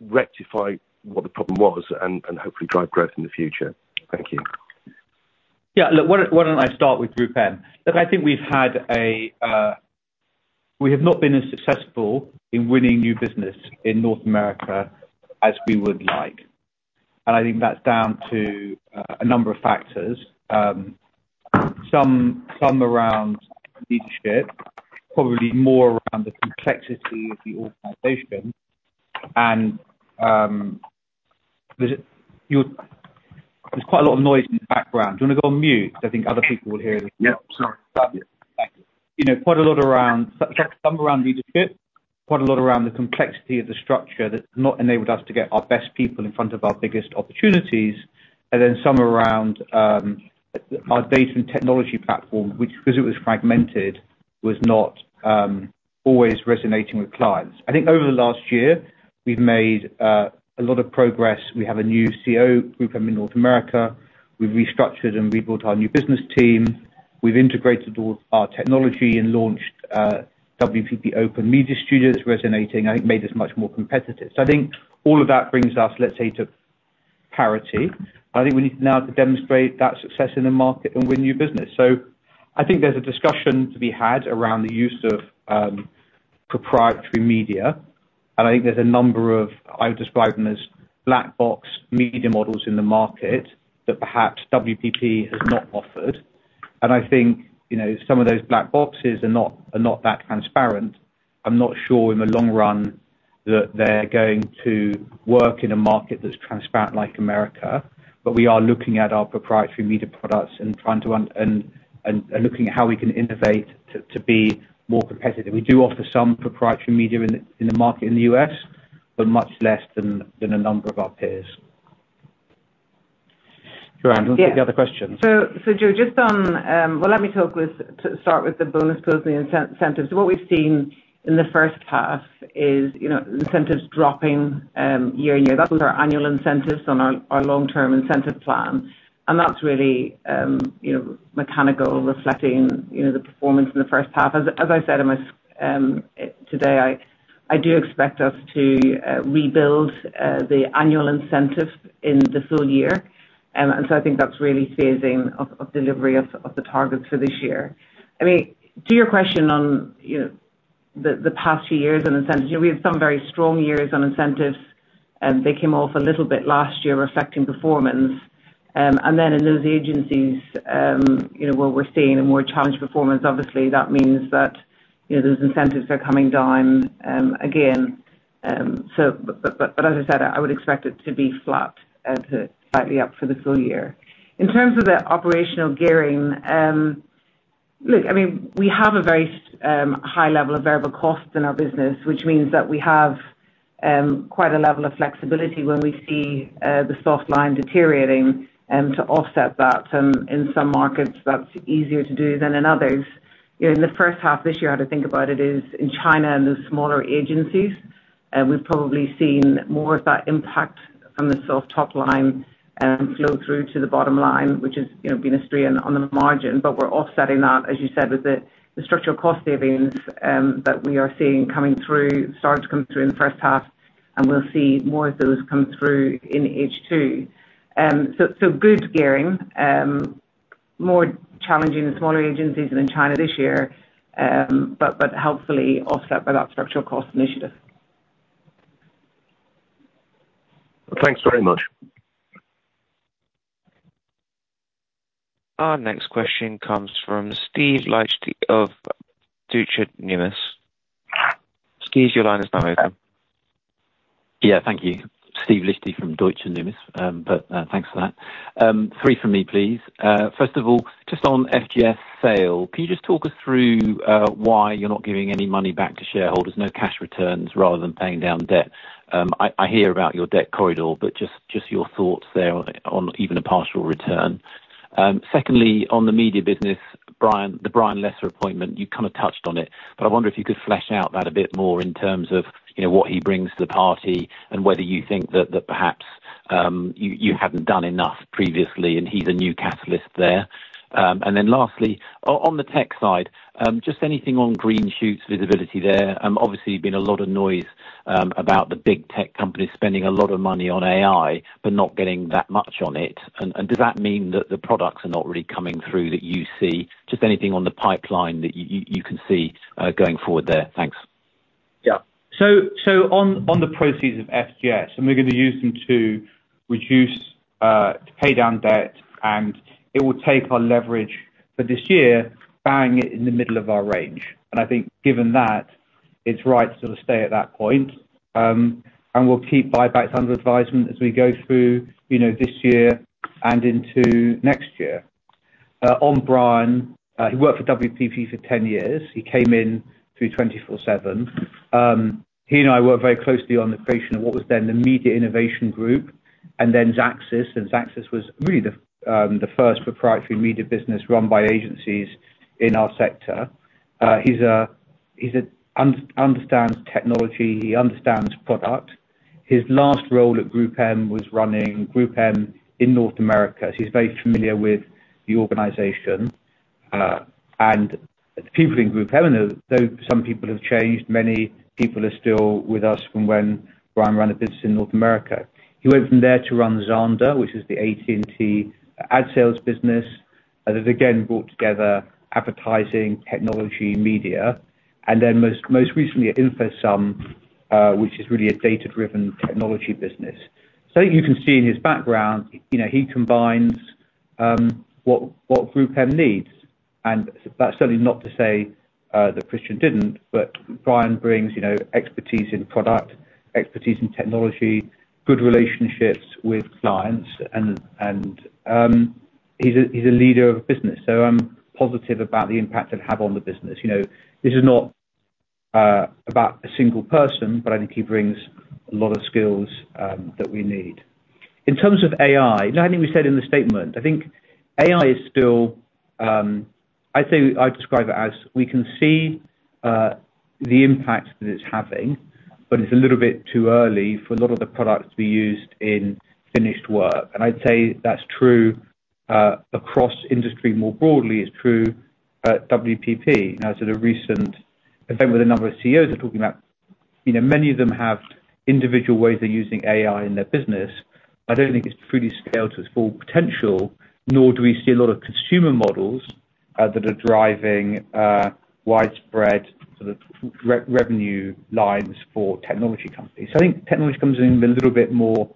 rectify what the problem was and hopefully drive growth in the future. Thank you. Yeah. Look, why don't I start with GroupM? Look, I think we've had a—we have not been as successful in winning new business in North America as we would like. And I think that's down to a number of factors. Some around leadership, probably more around the complexity of the organization. And there's quite a lot of noise in the background. Do you want to go on mute? I think other people will hear this. Yep. Sorry. Thank you. Quite a lot around leadership, quite a lot around the complexity of the structure that's not enabled us to get our best people in front of our biggest opportunities. And then some around our data and technology platform, which, because it was fragmented, was not always resonating with clients. I think over the last year, we've made a lot of progress. We have a new CEO of GroupM in North America. We've restructured and rebuilt our new business team. We've integrated all our technology and launched WPP Open Media Studios, resonating, I think, made us much more competitive. So I think all of that brings us, let's say, to parity. I think we need now to demonstrate that success in the market and win new business. So I think there's a discussion to be had around the use of proprietary media. And I think there's a number of, I would describe them as black box media models in the market that perhaps WPP has not offered. And I think some of those black boxes are not that transparent. I'm not sure in the long run that they're going to work in a market that's transparent like America. But we are looking at our proprietary media products and trying to, and looking at how we can innovate to be more competitive. We do offer some proprietary media in the market in the U.S., but much less than a number of our peers. Joanne, do you want to take the other questions? So Joe, just on, well, let me talk with, start with the bonus pools and the incentives. So what we've seen in the first half is incentives dropping year-on-year. That was our annual incentives on our long-term incentive plan. And that's really mechanical, reflecting the performance in the first half. As I said today, I do expect us to rebuild the annual incentive in the full year. And so I think that's really phasing of delivery of the targets for this year. I mean, to your question on the past few years on incentives, we had some very strong years on incentives. They came off a little bit last year, reflecting performance. And then in those agencies where we're seeing a more challenged performance, obviously, that means that those incentives are coming down again. But as I said, I would expect it to be flat, slightly up for the full year. In terms of the operational gearing, look, I mean, we have a very high level of variable costs in our business, which means that we have quite a level of flexibility when we see the soft line deteriorating to offset that. In some markets, that's easier to do than in others. In the first half this year, how to think about it is in China and those smaller agencies, we've probably seen more of that impact from the soft top line and flow through to the bottom line, which has been a strain on the margin. But we're offsetting that, as you said, with the structural cost savings that we are seeing coming through, starting to come through in the first half. And we'll see more of those come through in H2. So good gearing, more challenging in smaller agencies than in China this year, but hopefully offset by that structural cost initiative. Thanks very much. Our next question comes from Steve Liechti of Deutsche Numis. Steve, your line is now open. Yeah. Thank you. Steve Liechti from Deutsche Numis. But thanks for that. Three from me, please. First of all, just on FGS sale, can you just talk us through why you're not giving any money back to shareholders, no cash returns rather than paying down debt? I hear about your debt corridor, but just your thoughts there on even a partial return. Secondly, on the media business, the Brian Lesser appointment, you kind of touched on it. But I wonder if you could flesh out that a bit more in terms of what he brings to the party and whether you think that perhaps you hadn't done enough previously, and he's a new catalyst there. And then lastly, on the tech side, just anything on green shoots visibility there? Obviously, there's been a lot of noise about the big tech companies spending a lot of money on AI but not getting that much on it. And does that mean that the products are not really coming through that you see? Just anything on the pipeline that you can see going forward there? Thanks. Yeah. So on the proceeds of FGS, we're going to use them to pay down debt, and it will take our leverage for this year, buying it in the middle of our range. I think given that, it's right to sort of stay at that point. We'll keep buybacks under advisement as we go through this year and into next year. On Brian, he worked for WPP for 10 years. He came in through 24/7. He and I worked very closely on the creation of what was then the Media Innovation Group and then Xaxis. And Xaxis was really the first proprietary media business run by agencies in our sector. He understands technology. He understands product. His last role at GroupM was running GroupM in North America. So he's very familiar with the organization. And the people in GroupM, though some people have changed, many people are still with us from when Brian ran the business in North America. He went from there to run Xandr, which is the AT&T ad sales business, that again brought together advertising, technology, media, and then most recently at InfoSum, which is really a data-driven technology business. So you can see in his background, he combines what GroupM needs. And that's certainly not to say that Christian didn't, but Brian brings expertise in product, expertise in technology, good relationships with clients. And he's a leader of a business. So I'm positive about the impact it had on the business. This is not about a single person, but I think he brings a lot of skills that we need. In terms of AI, I think we said in the statement. I think AI is still. I'd say I'd describe it as we can see the impact that it's having, but it's a little bit too early for a lot of the products to be used in finished work. I'd say that's true across industry more broadly. It's true at WPP. I said a recent event with a number of CEOs are talking about many of them have individual ways they're using AI in their business. I don't think it's truly scaled to its full potential, nor do we see a lot of consumer models that are driving widespread sort of revenue lines for technology companies. So I think technology companies are being a little bit more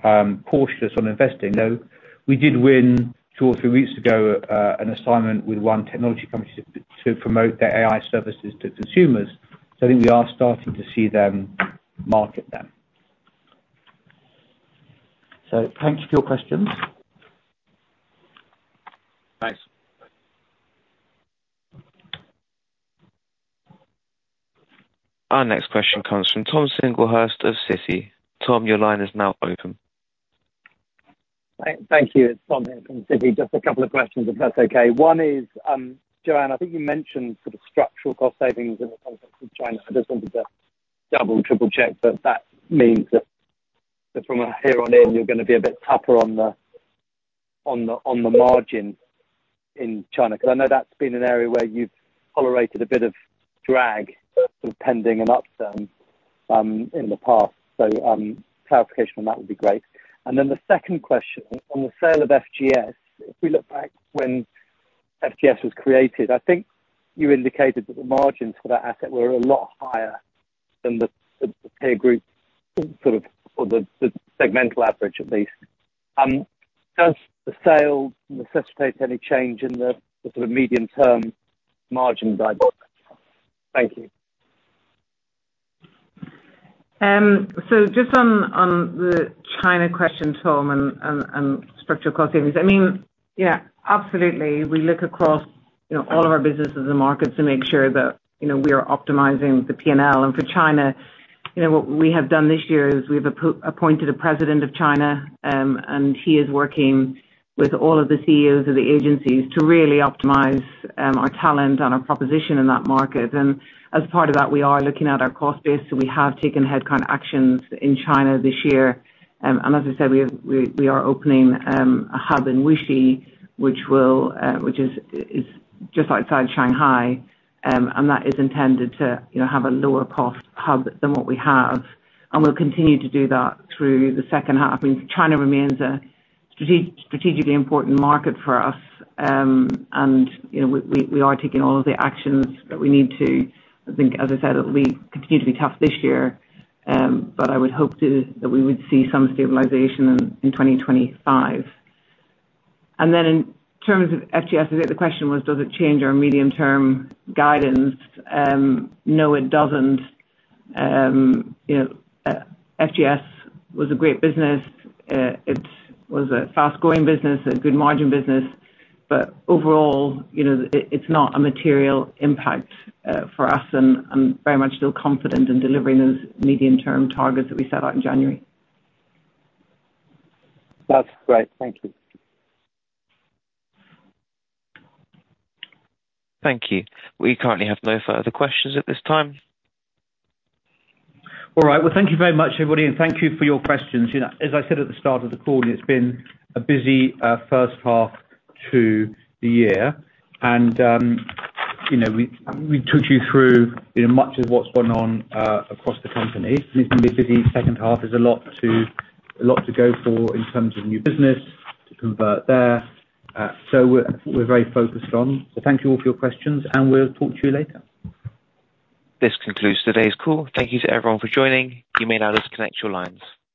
cautious on investing. Though we did win two or three weeks ago an assignment with one technology company to promote their AI services to consumers. So I think we are starting to see them market them. So thanks for your questions. Thanks. Our next question comes from Tom Singlehurst of Citi. Tom, your line is now open. Thank you. It's Tom here from Citi. Just a couple of questions, if that's okay. One is, Joanne, I think you mentioned sort of structural cost savings in the context of China. I just wanted to double triple check that that means that from here on in, you're going to be a bit tougher on the margin in China. Because I know that's been an area where you've tolerated a bit of drag sort of pending an upturn in the past. So clarification on that would be great. And then the second question, on the sale of FGS, if we look back when FGS was created, I think you indicated that the margins for that asset were a lot higher than the peer group sort of or the segmental average, at least. Does the sale necessitate any change in the sort of medium-term margin driver? Thank you. So just on the China question, Tom, and structural cost savings, I mean, yeah, absolutely. We look across all of our businesses and markets to make sure that we are optimizing the P&L. And for China, what we have done this year is we've appointed a president of China, and he is working with all of the CEOs of the agencies to really optimize our talent and our proposition in that market. And as part of that, we are looking at our cost base. So we have taken headcount actions in China this year. And as I said, we are opening a hub in Wuxi, which is just outside Shanghai. And that is intended to have a lower cost hub than what we have. And we'll continue to do that through the second half. I mean, China remains a strategically important market for us. And we are taking all of the actions that we need to. I think, as I said, it'll continue to be tough this year. But I would hope that we would see some stabilization in 2025. And then in terms of FGS, the question was, does it change our medium-term guidance? No, it doesn't. FGS was a great business. It was a fast-growing business, a good margin business. But overall, it's not a material impact for us. I'm very much still confident in delivering those medium-term targets that we set out in January. That's great. Thank you. Thank you. We currently have no further questions at this time. All right. Well, thank you very much, everybody. And thank you for your questions. As I said at the start of the call, it's been a busy first half to the year. And we took you through much of what's gone on across the company. And it's been a busy second half. There's a lot to go for in terms of new business, to convert there. So we're very focused on. So thank you all for your questions. And we'll talk to you later. This concludes today's call. Thank you to everyone for joining. You may now disconnect your lines.